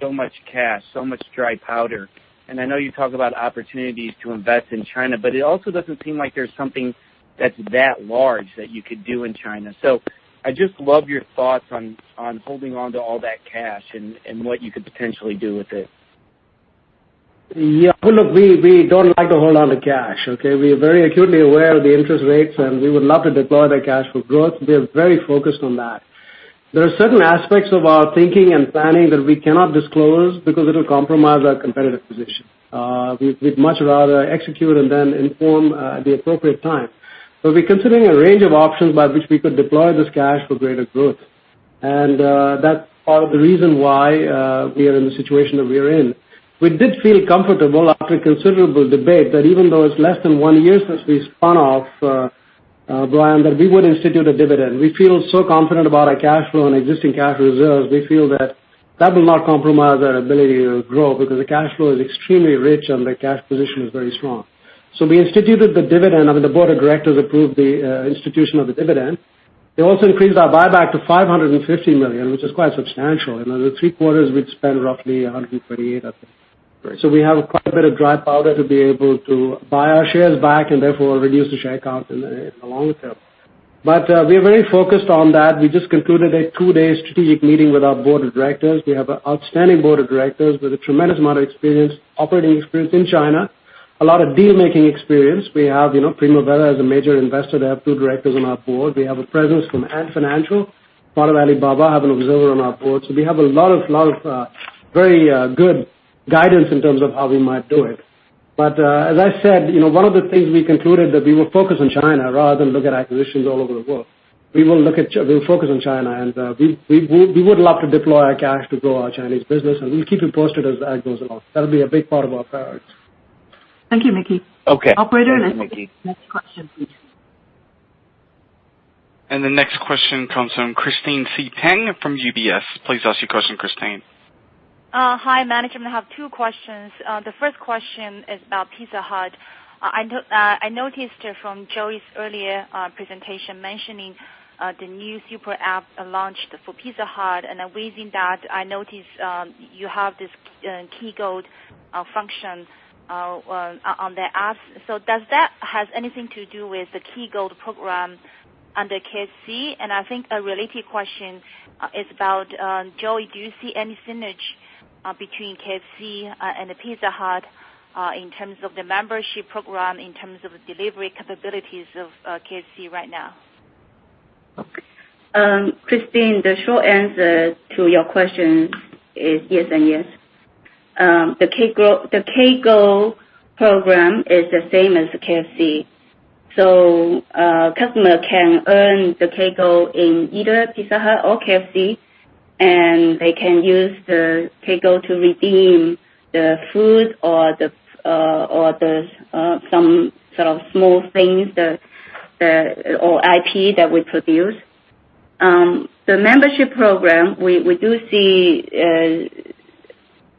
so much cash, so much dry powder, and I know you talk about opportunities to invest in China, but it also doesn't seem like there's something that's that large that you could do in China. I'd just love your thoughts on holding on to all that cash and what you could potentially do with it. Look, we don't like to hold on to cash, okay? We are very acutely aware of the interest rates, and we would love to deploy that cash for growth. We are very focused on that. There are certain aspects of our thinking and planning that we cannot disclose because it'll compromise our competitive position. We'd much rather execute and then inform at the appropriate time. But we're considering a range of options by which we could deploy this cash for greater growth. That's part of the reason why we are in the situation that we are in. We did feel comfortable after a considerable debate that even though it's less than one year since we spun off, Brian, that we would institute a dividend. We feel so confident about our cash flow and existing cash reserves. We feel that that will not compromise our ability to grow because the cash flow is extremely rich and the cash position is very strong. We instituted the dividend. I mean, the board of directors approved the institution of the dividend. They also increased our buyback to $550 million, which is quite substantial. In the three quarters, we'd spent roughly $128, I think. Right. We have quite a bit of dry powder to be able to buy our shares back and therefore reduce the share count in the long term. We are very focused on that. We just concluded a two-day strategic meeting with our board of directors. We have an outstanding board of directors with a tremendous amount of experience, operating experience in China, a lot of deal-making experience. We have Primavera as a major investor. They have two directors on our board. We have a presence from Ant Financial, part of Alibaba, have an observer on our board. We have a lot of very good guidance in terms of how we might do it. As I said, one of the things we concluded that we will focus on China rather than look at acquisitions all over the world. We will focus on China, we would love to deploy our cash to grow our Chinese business, we'll keep you posted as that goes along. That'll be a big part of our priority. Thank you, Micky. Okay. Operator- Thanks, Micky next question, please. The next question comes from Christine Siu Teng from UBS. Please ask your question, Christine. Hi, management. I have two questions. The first question is about Pizza Hut. I noticed from Joey's earlier presentation mentioning, the new Super App launched for Pizza Hut, within that, I noticed you have this K Gold function on the app. Does that have anything to do with the K Gold program under KFC? I think a related question is about, Joey, do you see any synergy between KFC and Pizza Hut in terms of the membership program, in terms of delivery capabilities of KFC right now? Christine, the short answer to your question is yes and yes. The K Gold program is the same as the KFC. A customer can earn the K Gold in either Pizza Hut or KFC, and they can use the K Gold to redeem the food or some sort of small things, or IP that we produce. The membership program, and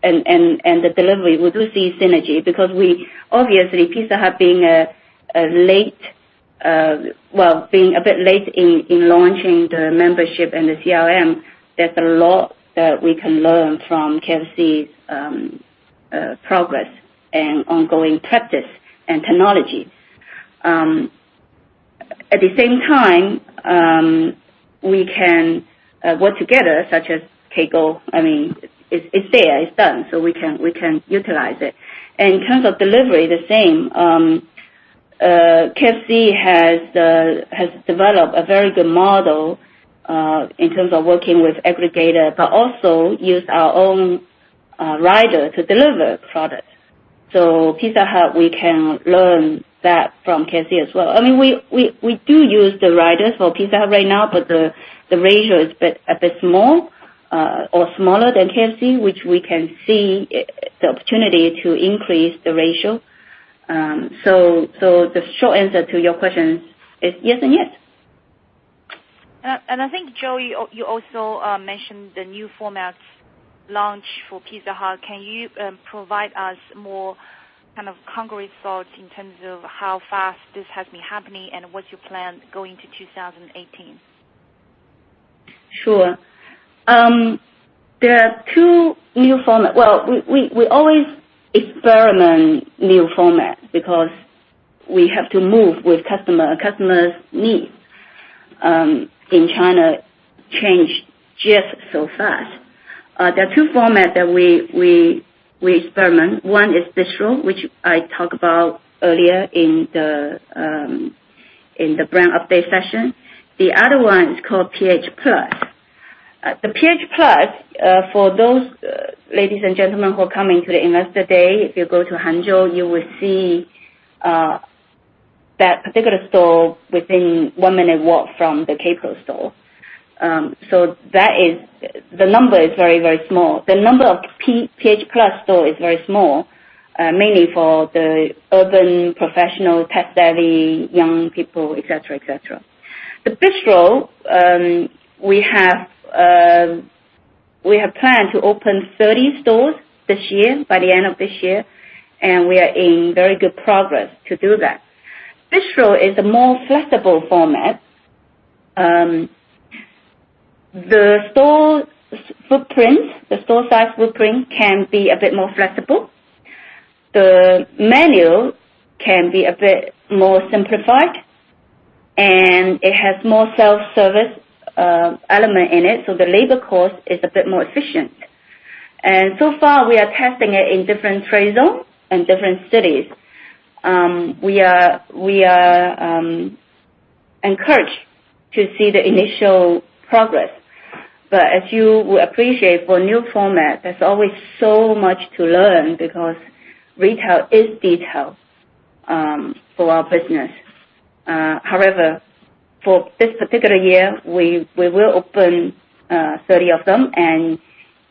the delivery, we do see synergy because obviously Pizza Hut being a bit late in launching the membership and the CRM, there's a lot that we can learn from KFC's progress and ongoing practice and technology. At the same time, we can work together, such as K Gold. It's there, it's done, we can utilize it. In terms of delivery, the same. KFC has developed a very good model in terms of working with aggregator, but also use our own rider to deliver products. Pizza Hut, we can learn that from KFC as well. We do use the riders for Pizza Hut right now, the ratio is a bit small or smaller than KFC, which we can see the opportunity to increase the ratio. The short answer to your question is yes and yes. I think, Joey, you also mentioned the new formats launch for Pizza Hut. Can you provide us more concrete thoughts in terms of how fast this has been happening and what you plan going into 2018? Sure. There are two new formats. Well, we always experiment new formats because we have to move with customer. Customers' needs in China change just so fast. There are two formats that we experiment. One is Bistro, which I talk about earlier in the brand update session. The other one is called PH Plus. The PH Plus, for those ladies and gentlemen who are coming to the investor day, if you go to Hangzhou, you will see that particular store within one minute walk from the KPRO store. The number is very, very small. The number of PH Plus store is very small, mainly for the urban professional, tech-savvy young people, et cetera. The Bistro, we have planned to open 30 stores this year, by the end of this year, we are in very good progress to do that. Bistro is a more flexible format. The store size footprint can be a bit more flexible. The menu can be a bit more simplified, and it has more self-service element in it, so the labor cost is a bit more efficient. So far, we are testing it in different trade zones and different cities. We are encouraged to see the initial progress. As you would appreciate, for a new format, there's always so much to learn because retail is detailed for our business. However, for this particular year, we will open 30 of them, and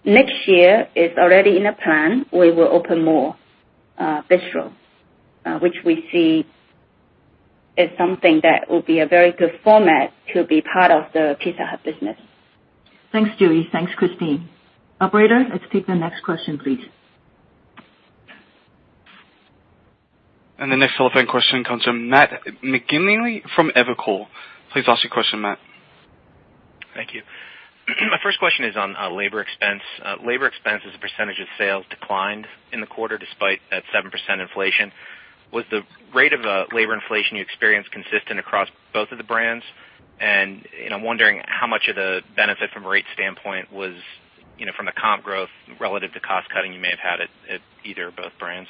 next year is already in the plan, we will open more Bistro, which we see is something that will be a very good format to be part of the Pizza Hut business. Thanks, Joey. Thanks, Christine. Operator, let's take the next question, please. The next telephone question comes from Matt McGinley from Evercore. Please ask your question, Matt. Thank you. My first question is on labor expense. Labor expense as a percentage of sales declined in the quarter despite that 7% inflation. Was the rate of labor inflation you experienced consistent across both of the brands? I'm wondering how much of the benefit from a rate standpoint was from the comp growth relative to cost cutting you may have had at either or both brands?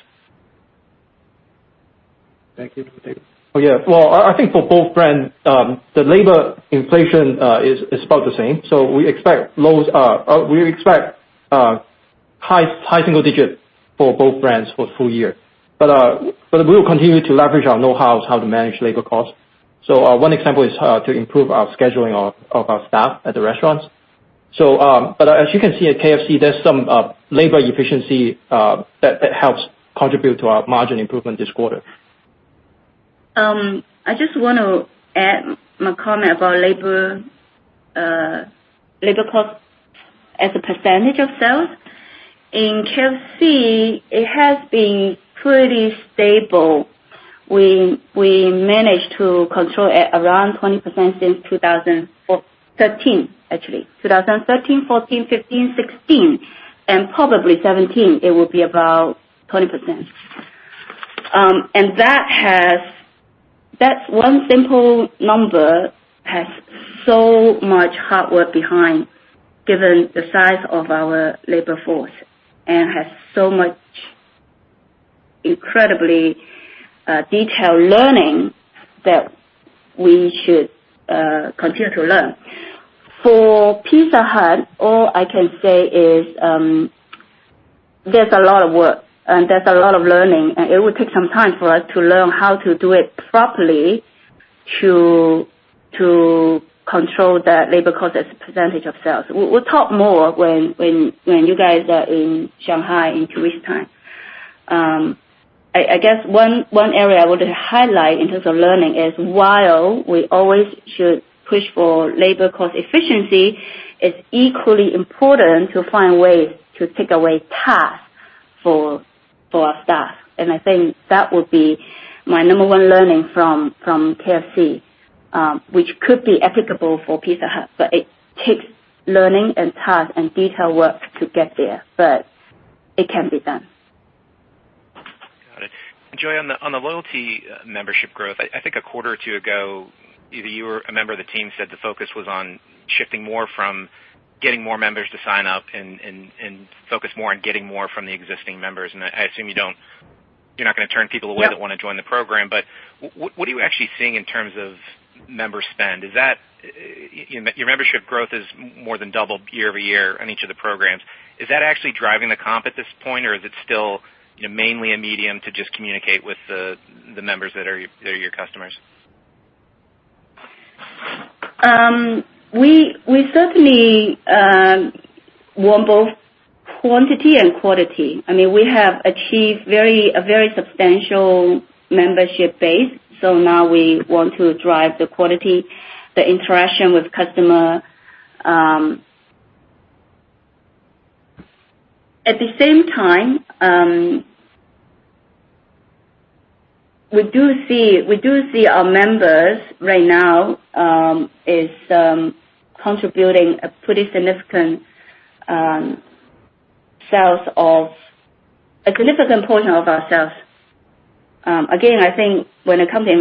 Thank you. Well, I think for both brands, the labor inflation is about the same. We expect high single digit for both brands for full year. We will continue to leverage our knowhow of how to manage labor costs. One example is to improve our scheduling of our staff at the restaurants. As you can see at KFC, there is some labor efficiency that helps contribute to our margin improvement this quarter. I just want to add my comment about labor cost as a percentage of sales. In KFC, it has been pretty stable. We managed to control at around 20% since 2013, actually. 2013, 2014, 2015, 2016, and probably 2017, it will be about 20%. That one simple number has so much hard work behind, given the size of our labor force, and has so much incredibly detailed learning that we should continue to learn. For Pizza Hut, all I can say is there is a lot of work, and there is a lot of learning, and it will take some time for us to learn how to do it properly to control the labor cost as a percentage of sales. We will talk more when you guys are in Shanghai in two weeks time. I guess one area I would highlight in terms of learning is while we always should push for labor cost efficiency, it is equally important to find ways to take away tasks for our staff. I think that would be my number 1 learning from KFC, which could be applicable for Pizza Hut, it takes learning and task and detailed work to get there, it can be done. Got it. Joey, on the loyalty membership growth, I think a quarter or two ago, either you or a member of the team said the focus was on shifting more from getting more members to sign up and focus more on getting more from the existing members. I assume you're not going to turn people away. No Those that want to join the program. What are you actually seeing in terms of member spend? Your membership growth has more than doubled year-over-year on each of the programs. Is that actually driving the comp at this point, or is it still mainly a medium to just communicate with the members that are your customers? We certainly want both quantity and quality. We have achieved a very substantial membership base. Now we want to drive the quality, the interaction with customer. At the same time, we do see our members right now is contributing a pretty significant portion of our sales. I think when it comes to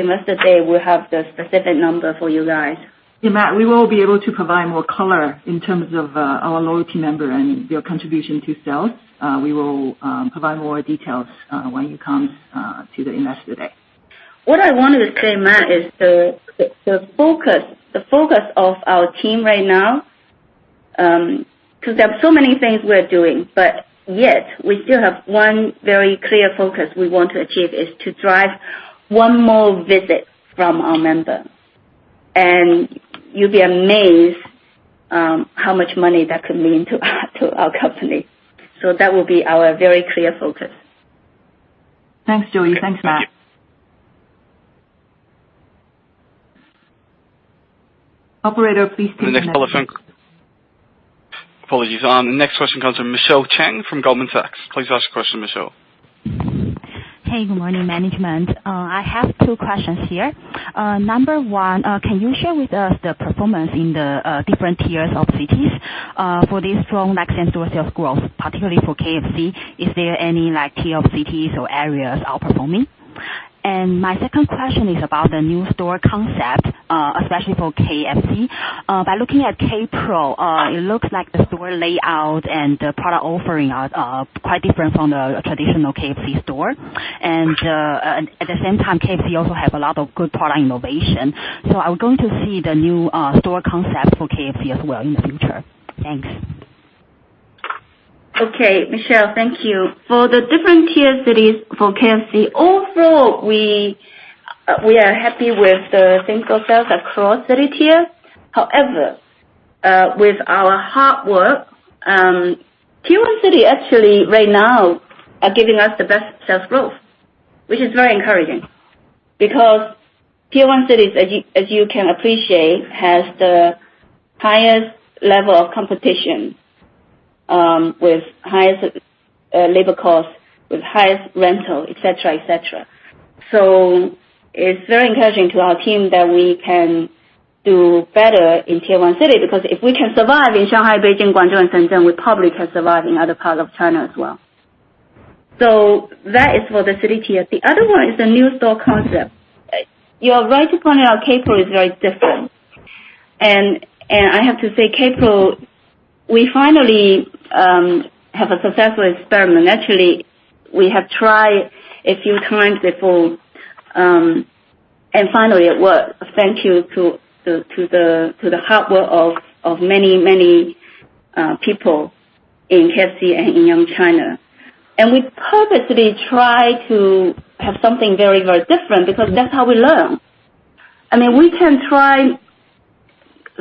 Investor Day, we'll have the specific number for you guys. Matt, we will be able to provide more color in terms of our loyalty member and their contribution to sales. We will provide more details when you come to the Investor Day. What I wanted to say, Matt, is the focus of our team right now, because there are so many things we are doing, yet we still have one very clear focus we want to achieve, is to drive one more visit from our member. You'll be amazed how much money that could mean to our company. That will be our very clear focus. Thanks, Joey. Thanks, Matt. Thank you. Operator, please take the next- The next caller. Apologies. The next question comes from Michelle Cheng from Goldman Sachs. Please ask the question, Michelle. Hey, good morning, management. I have two questions here. Number one, can you share with us the performance in the different tiers of cities, for this strong like-same-store sales growth, particularly for KFC? Is there any tier of cities or areas outperforming? My second question is about the new store concept, especially for KFC. By looking at KPRO, it looks like the store layout and the product offering are quite different from the traditional KFC store. At the same time, KFC also have a lot of good product innovation. Are we going to see the new store concept for KFC as well in the future? Thanks. Okay. Michelle, thank you. For the different tier cities for KFC, overall we are happy with the same-store sales across city tiers. However, with our hard work, tier 1 city actually right now are giving us the best sales growth. Which is very encouraging because tier 1 cities, as you can appreciate, has the highest level of competition, with highest labor cost, with highest rental, et cetera. It's very encouraging to our team that we can do better in tier 1 city because if we can survive in Shanghai, Beijing, Guangzhou, and Shenzhen, we probably can survive in other parts of China as well. That is for the city tier. The other one is the new store concept. You are right to point out KPRO is very different. I have to say, KPRO, we finally have a successful experiment. Actually, we have tried a few times before. Finally it worked. Thank you to the hard work of many people in KFC and in Yum China. We purposely try to have something very different because that's how we learn. We can try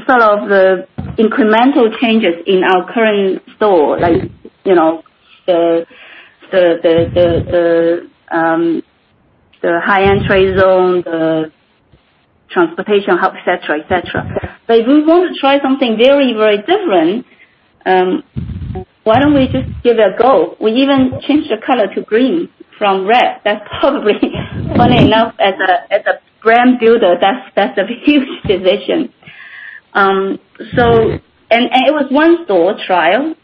some of the incremental changes in our current store, like the high entry zone, the transportation hub, et cetera. If we want to try something very different, why don't we just give it a go? We even changed the color to green from red. That's probably funny enough, as a brand builder, that's a huge decision. It was one store trial.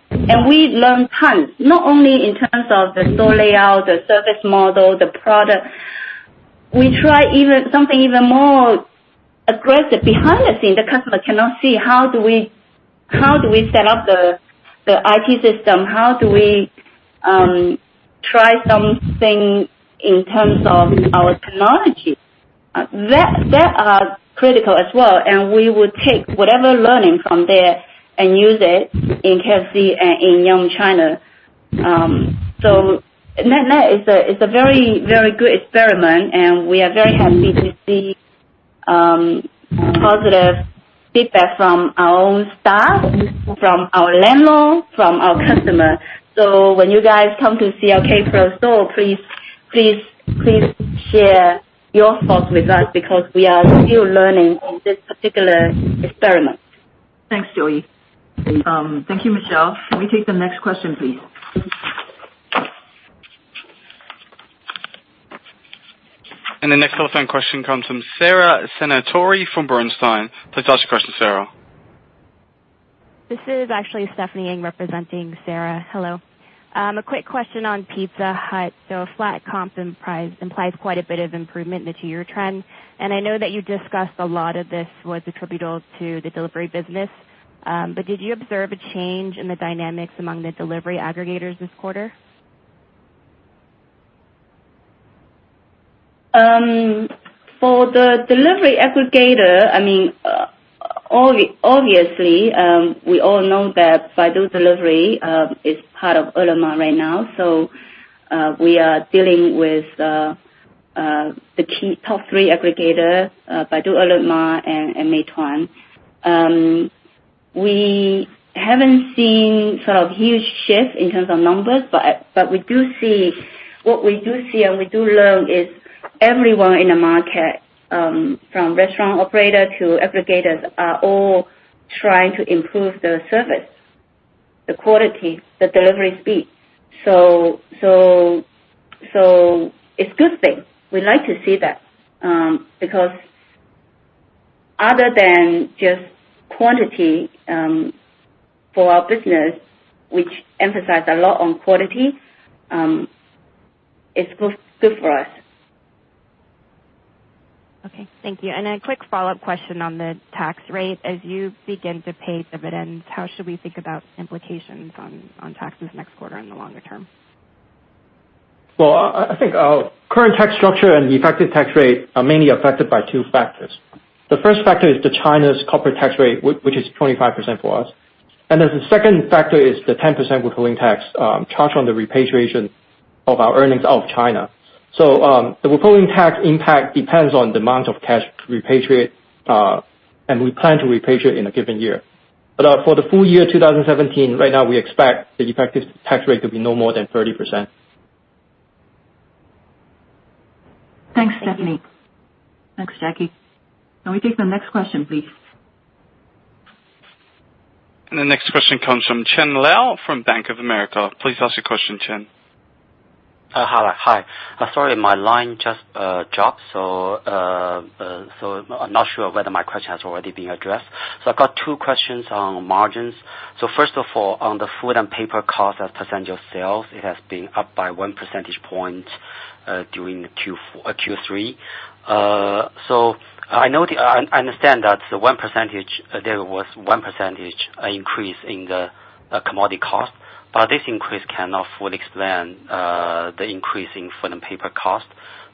We learned tons, not only in terms of the store layout, the service model, the product. We try something even more aggressive behind the scene. The customer cannot see how do we set up the IT system, how do we try something in terms of our technology. That is critical as well, and we will take whatever learning from there and use it in KFC and in Yum China. That is a very good experiment, and we are very happy to see positive feedback from our own staff, from our landlord, from our customer. When you guys come to see our KPRO store, please share your thoughts with us because we are still learning in this particular experiment. Thanks, Joey. Thank you, Michelle. Can we take the next question, please? The next telephone question comes from Sara Senatore from Bernstein. Please ask your question, Sara. This is actually Stephanie Ng representing Sara. Hello. A quick question on Pizza Hut. A flat comp implies quite a bit of improvement in the 2-year trend. I know that you discussed a lot of this was attributable to the delivery business. Did you observe a change in the dynamics among the delivery aggregators this quarter? For the delivery aggregator, obviously, we all know that Baidu Waimai is part of Ele.me right now. We are dealing with the top three aggregator, Baidu, Ele.me, and Meituan. We haven't seen sort of huge shift in terms of numbers, but what we do see and we do learn is everyone in the market, from restaurant operator to aggregators, are all trying to improve their service, the quality, the delivery speed. It's a good thing. We like to see that, because other than just quantity for our business, which emphasize a lot on quality, it's good for us. Okay. Thank you. A quick follow-up question on the tax rate. As you begin to pay dividends, how should we think about implications on taxes next quarter and the longer term? Well, I think our current tax structure and the effective tax rate are mainly affected by two factors. The first factor is the China's corporate tax rate, which is 25% for us. There's a second factor is the 10% withholding tax charged on the repatriation of our earnings out of China. The withholding tax impact depends on the amount of cash repatriated, and we plan to repatriate in a given year. For the full year 2017, right now, we expect the effective tax rate to be no more than 30%. Thanks, Stephanie. Thanks, Jacky. Can we take the next question, please? The next question comes from Chen Luo from Bank of America. Please ask your question, Chen. Hi. Sorry, my line just dropped, so I'm not sure whether my question has already been addressed. I've got two questions on margins. First of all, on the food and paper cost as a percentage of sales, it has been up by one percentage point during Q3. I understand that there was one percentage increase in the commodity cost, but this increase cannot fully explain the increase in food and paper cost.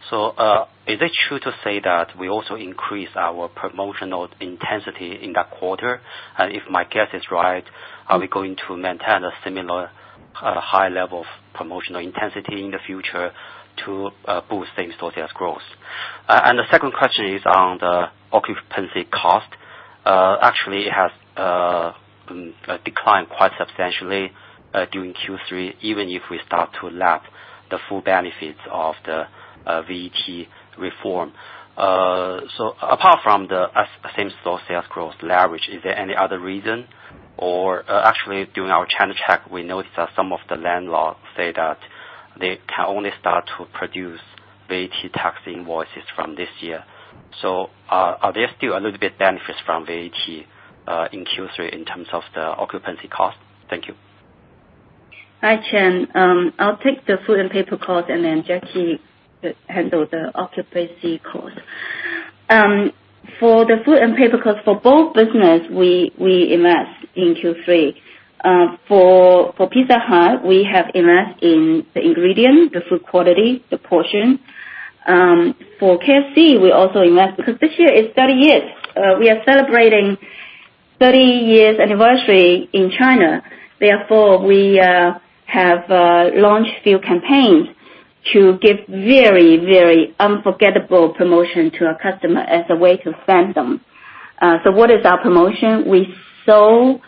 Is it true to say that we also increase our promotional intensity in that quarter? If my guess is right, are we going to maintain a similar high level of promotional intensity in the future to boost same-store sales growth? The second question is on the occupancy cost. Actually, it has declined quite substantially during Q3, even if we start to lap the full benefits of the VAT reform. Apart from the same-store sales growth leverage, is there any other reason? Actually, during our channel check, we noticed that some of the landlords say that they can only start to produce VAT tax invoices from this year. Are there still a little bit benefits from VAT in Q3 in terms of the occupancy cost? Thank you. Hi, Chen. I'll take the food and paper cost and then Jacky handle the occupancy cost. For the food and paper cost for both business, we invest in Q3. For Pizza Hut, we have invest in the ingredient, the food quality, the portion. For KFC, we also invest because this year is 30 years. We are celebrating 30 years anniversary in China. Therefore, we have launched few campaigns to give very, very unforgettable promotion to our customer as a way to thank them. What is our promotion? We sold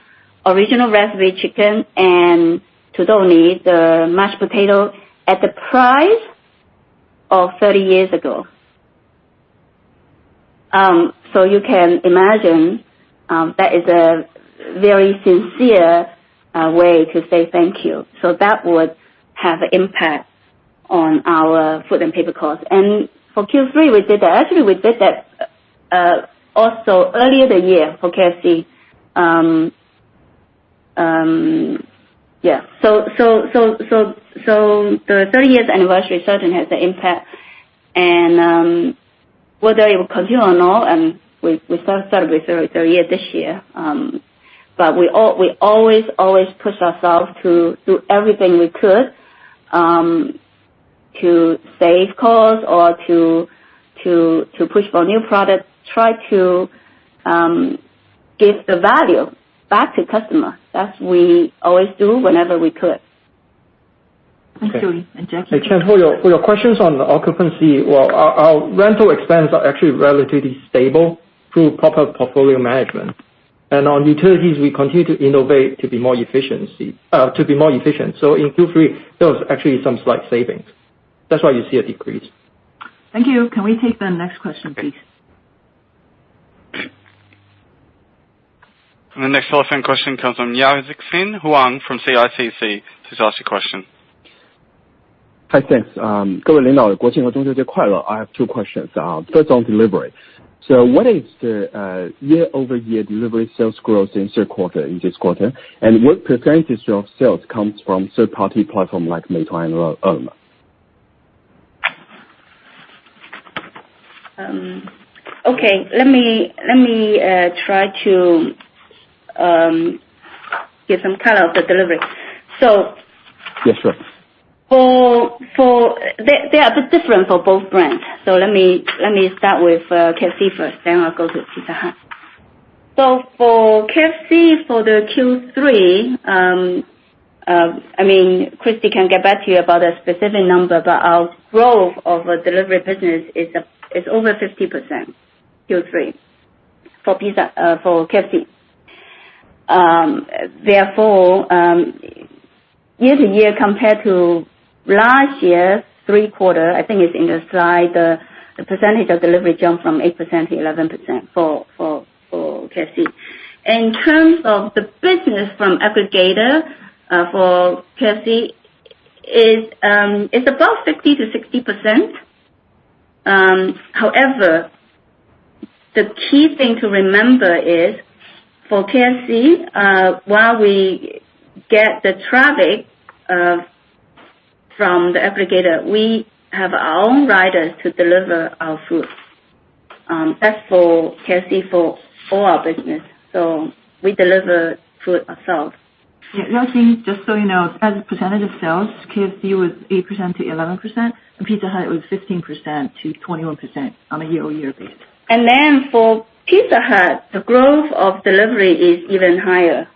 Original Recipe chicken and today only the mashed potato at the price of 30 years ago. You can imagine, that is a very sincere way to say thank you. That would have impact on our food and paper cost. For Q3, we did that. Actually, we did that also earlier the year for KFC. Yeah. The 30 years anniversary certainly has an impact. Whether it will continue or not, we celebrate 30 year this year. We always push ourselves to do everything we could to save costs or to push for new products, try to give the value back to customer. That we always do whenever we could. Thank you. Jacky? Hey, Chen. For your questions on the occupancy, well, our rental expense are actually relatively stable through proper portfolio management. On utilities, we continue to innovate to be more efficient. In Q3, there was actually some slight savings. That's why you see a decrease. Thank you. Can we take the next question, please? The next telephone question comes from Yao-Hsing Huang from CICC, to ask a question. Hi, thanks. I have two questions. First, on delivery. What is the year-over-year delivery sales growth in third quarter, in this quarter? What % of sales comes from third-party platform like Meituan or others? Okay. Let me try to give some color of the delivery. Yes, sure. They are a bit different for both brands. Let me start with KFC first, then I'll go to Pizza Hut. For KFC, for the Q3, Christie can get back to you about a specific number, but our growth of our delivery business is over 50%, Q3, for KFC. Therefore, year to year, compared to last year, three quarter, I think it's in the slide, the percentage of delivery jumped from 8%-11% for KFC. In terms of the business from aggregator, for KFC, it's above 50%-60%. The key thing to remember is, for KFC, while we get the traffic from the aggregator, we have our own riders to deliver our food. That's for KFC for all our business. We deliver food ourselves. Yeah. Yao-Hsing, just so you know, as a percentage of sales, KFC was 8%-11%, and Pizza Hut was 15%-21% on a year-over-year base. For Pizza Hut, the growth of delivery is even higher.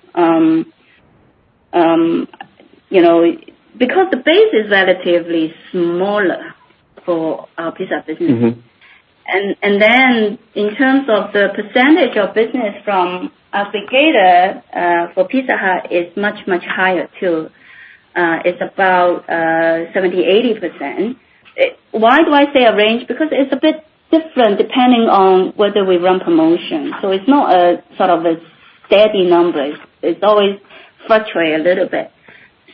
Because the base is relatively smaller for our Pizza business. In terms of the percentage of business from aggregator, for Pizza Hut is much, much higher, too. It's about 70%-80%. Why do I say a range? Because it's a bit different depending on whether we run promotion. It's not a sort of a steady number. It's always fluctuate a little bit.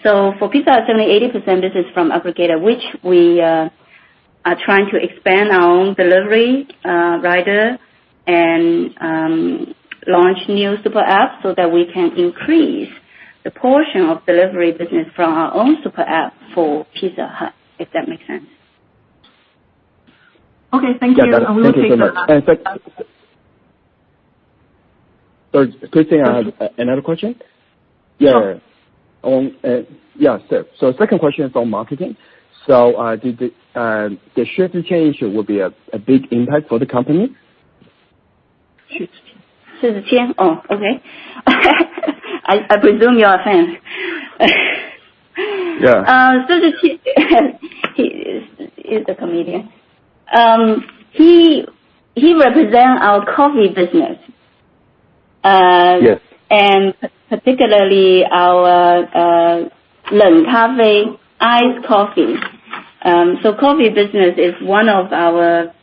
For Pizza Hut, 70%-80% business from aggregator, which we are trying to expand our own delivery rider and launch new super app so that we can increase the portion of delivery business from our own super app for Pizza Hut, if that makes sense. Okay, thank you. Yeah. Thank you so much. Sorry. Christie, I have another question. Yeah. Second question is on marketing. Did the shift change will be a big impact for the company? Shift. Oh, okay. I presume you are a fan. Yeah. He's a comedian. He represent our coffee business. Yes. Particularly our iced coffee. Coffee business is one of our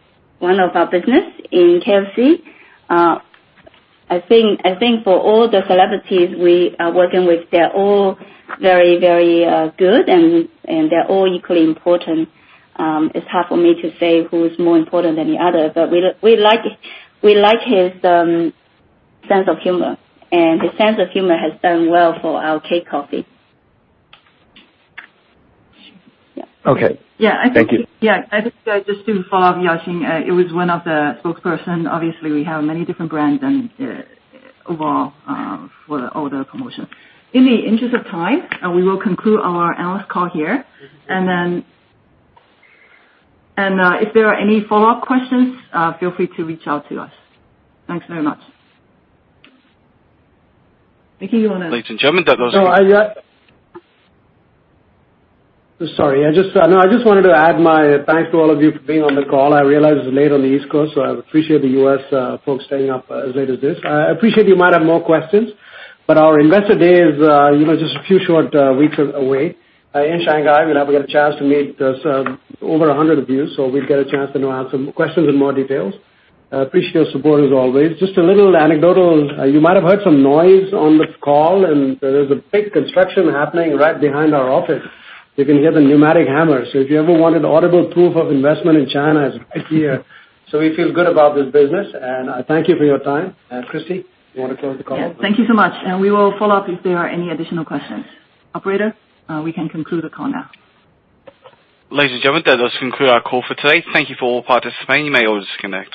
business in KFC. I think for all the celebrities we are working with, they are all very good and they are all equally important. It is hard for me to say who is more important than the other, but we like his sense of humor. His sense of humor has done well for our K Coffee. Yeah. Okay. Yeah. Thank you. Yeah. Just to follow up, Yao-Hsing, it was one of the spokesperson. Obviously, we have many different brands and overall, for all the promotion. In the interest of time, we will conclude our analyst call here. If there are any follow-up questions, feel free to reach out to us. Thanks very much. Micky. Ladies and gentlemen. No, I. Sorry. I just wanted to add my thanks to all of you for being on the call. I realize it's late on the East Coast, so I appreciate the U.S. folks staying up as late as this. I appreciate you might have more questions, but our investor day is just a few short weeks away. In Shanghai, we'll have a chance to meet over 100 of you, so we'll get a chance to answer questions in more details. Appreciate your support as always. Just a little anecdotal. You might have heard some noise on this call, There is a big construction happening right behind our office. You can hear the pneumatic hammer. If you ever wanted audible proof of investment in China, it's right here. We feel good about this business, and I thank you for your time. Christy, you want to close the call? Yeah. Thank you so much. We will follow up if there are any additional questions. Operator, we can conclude the call now. Ladies and gentlemen, that does conclude our call for today. Thank you for all participating. You may all disconnect.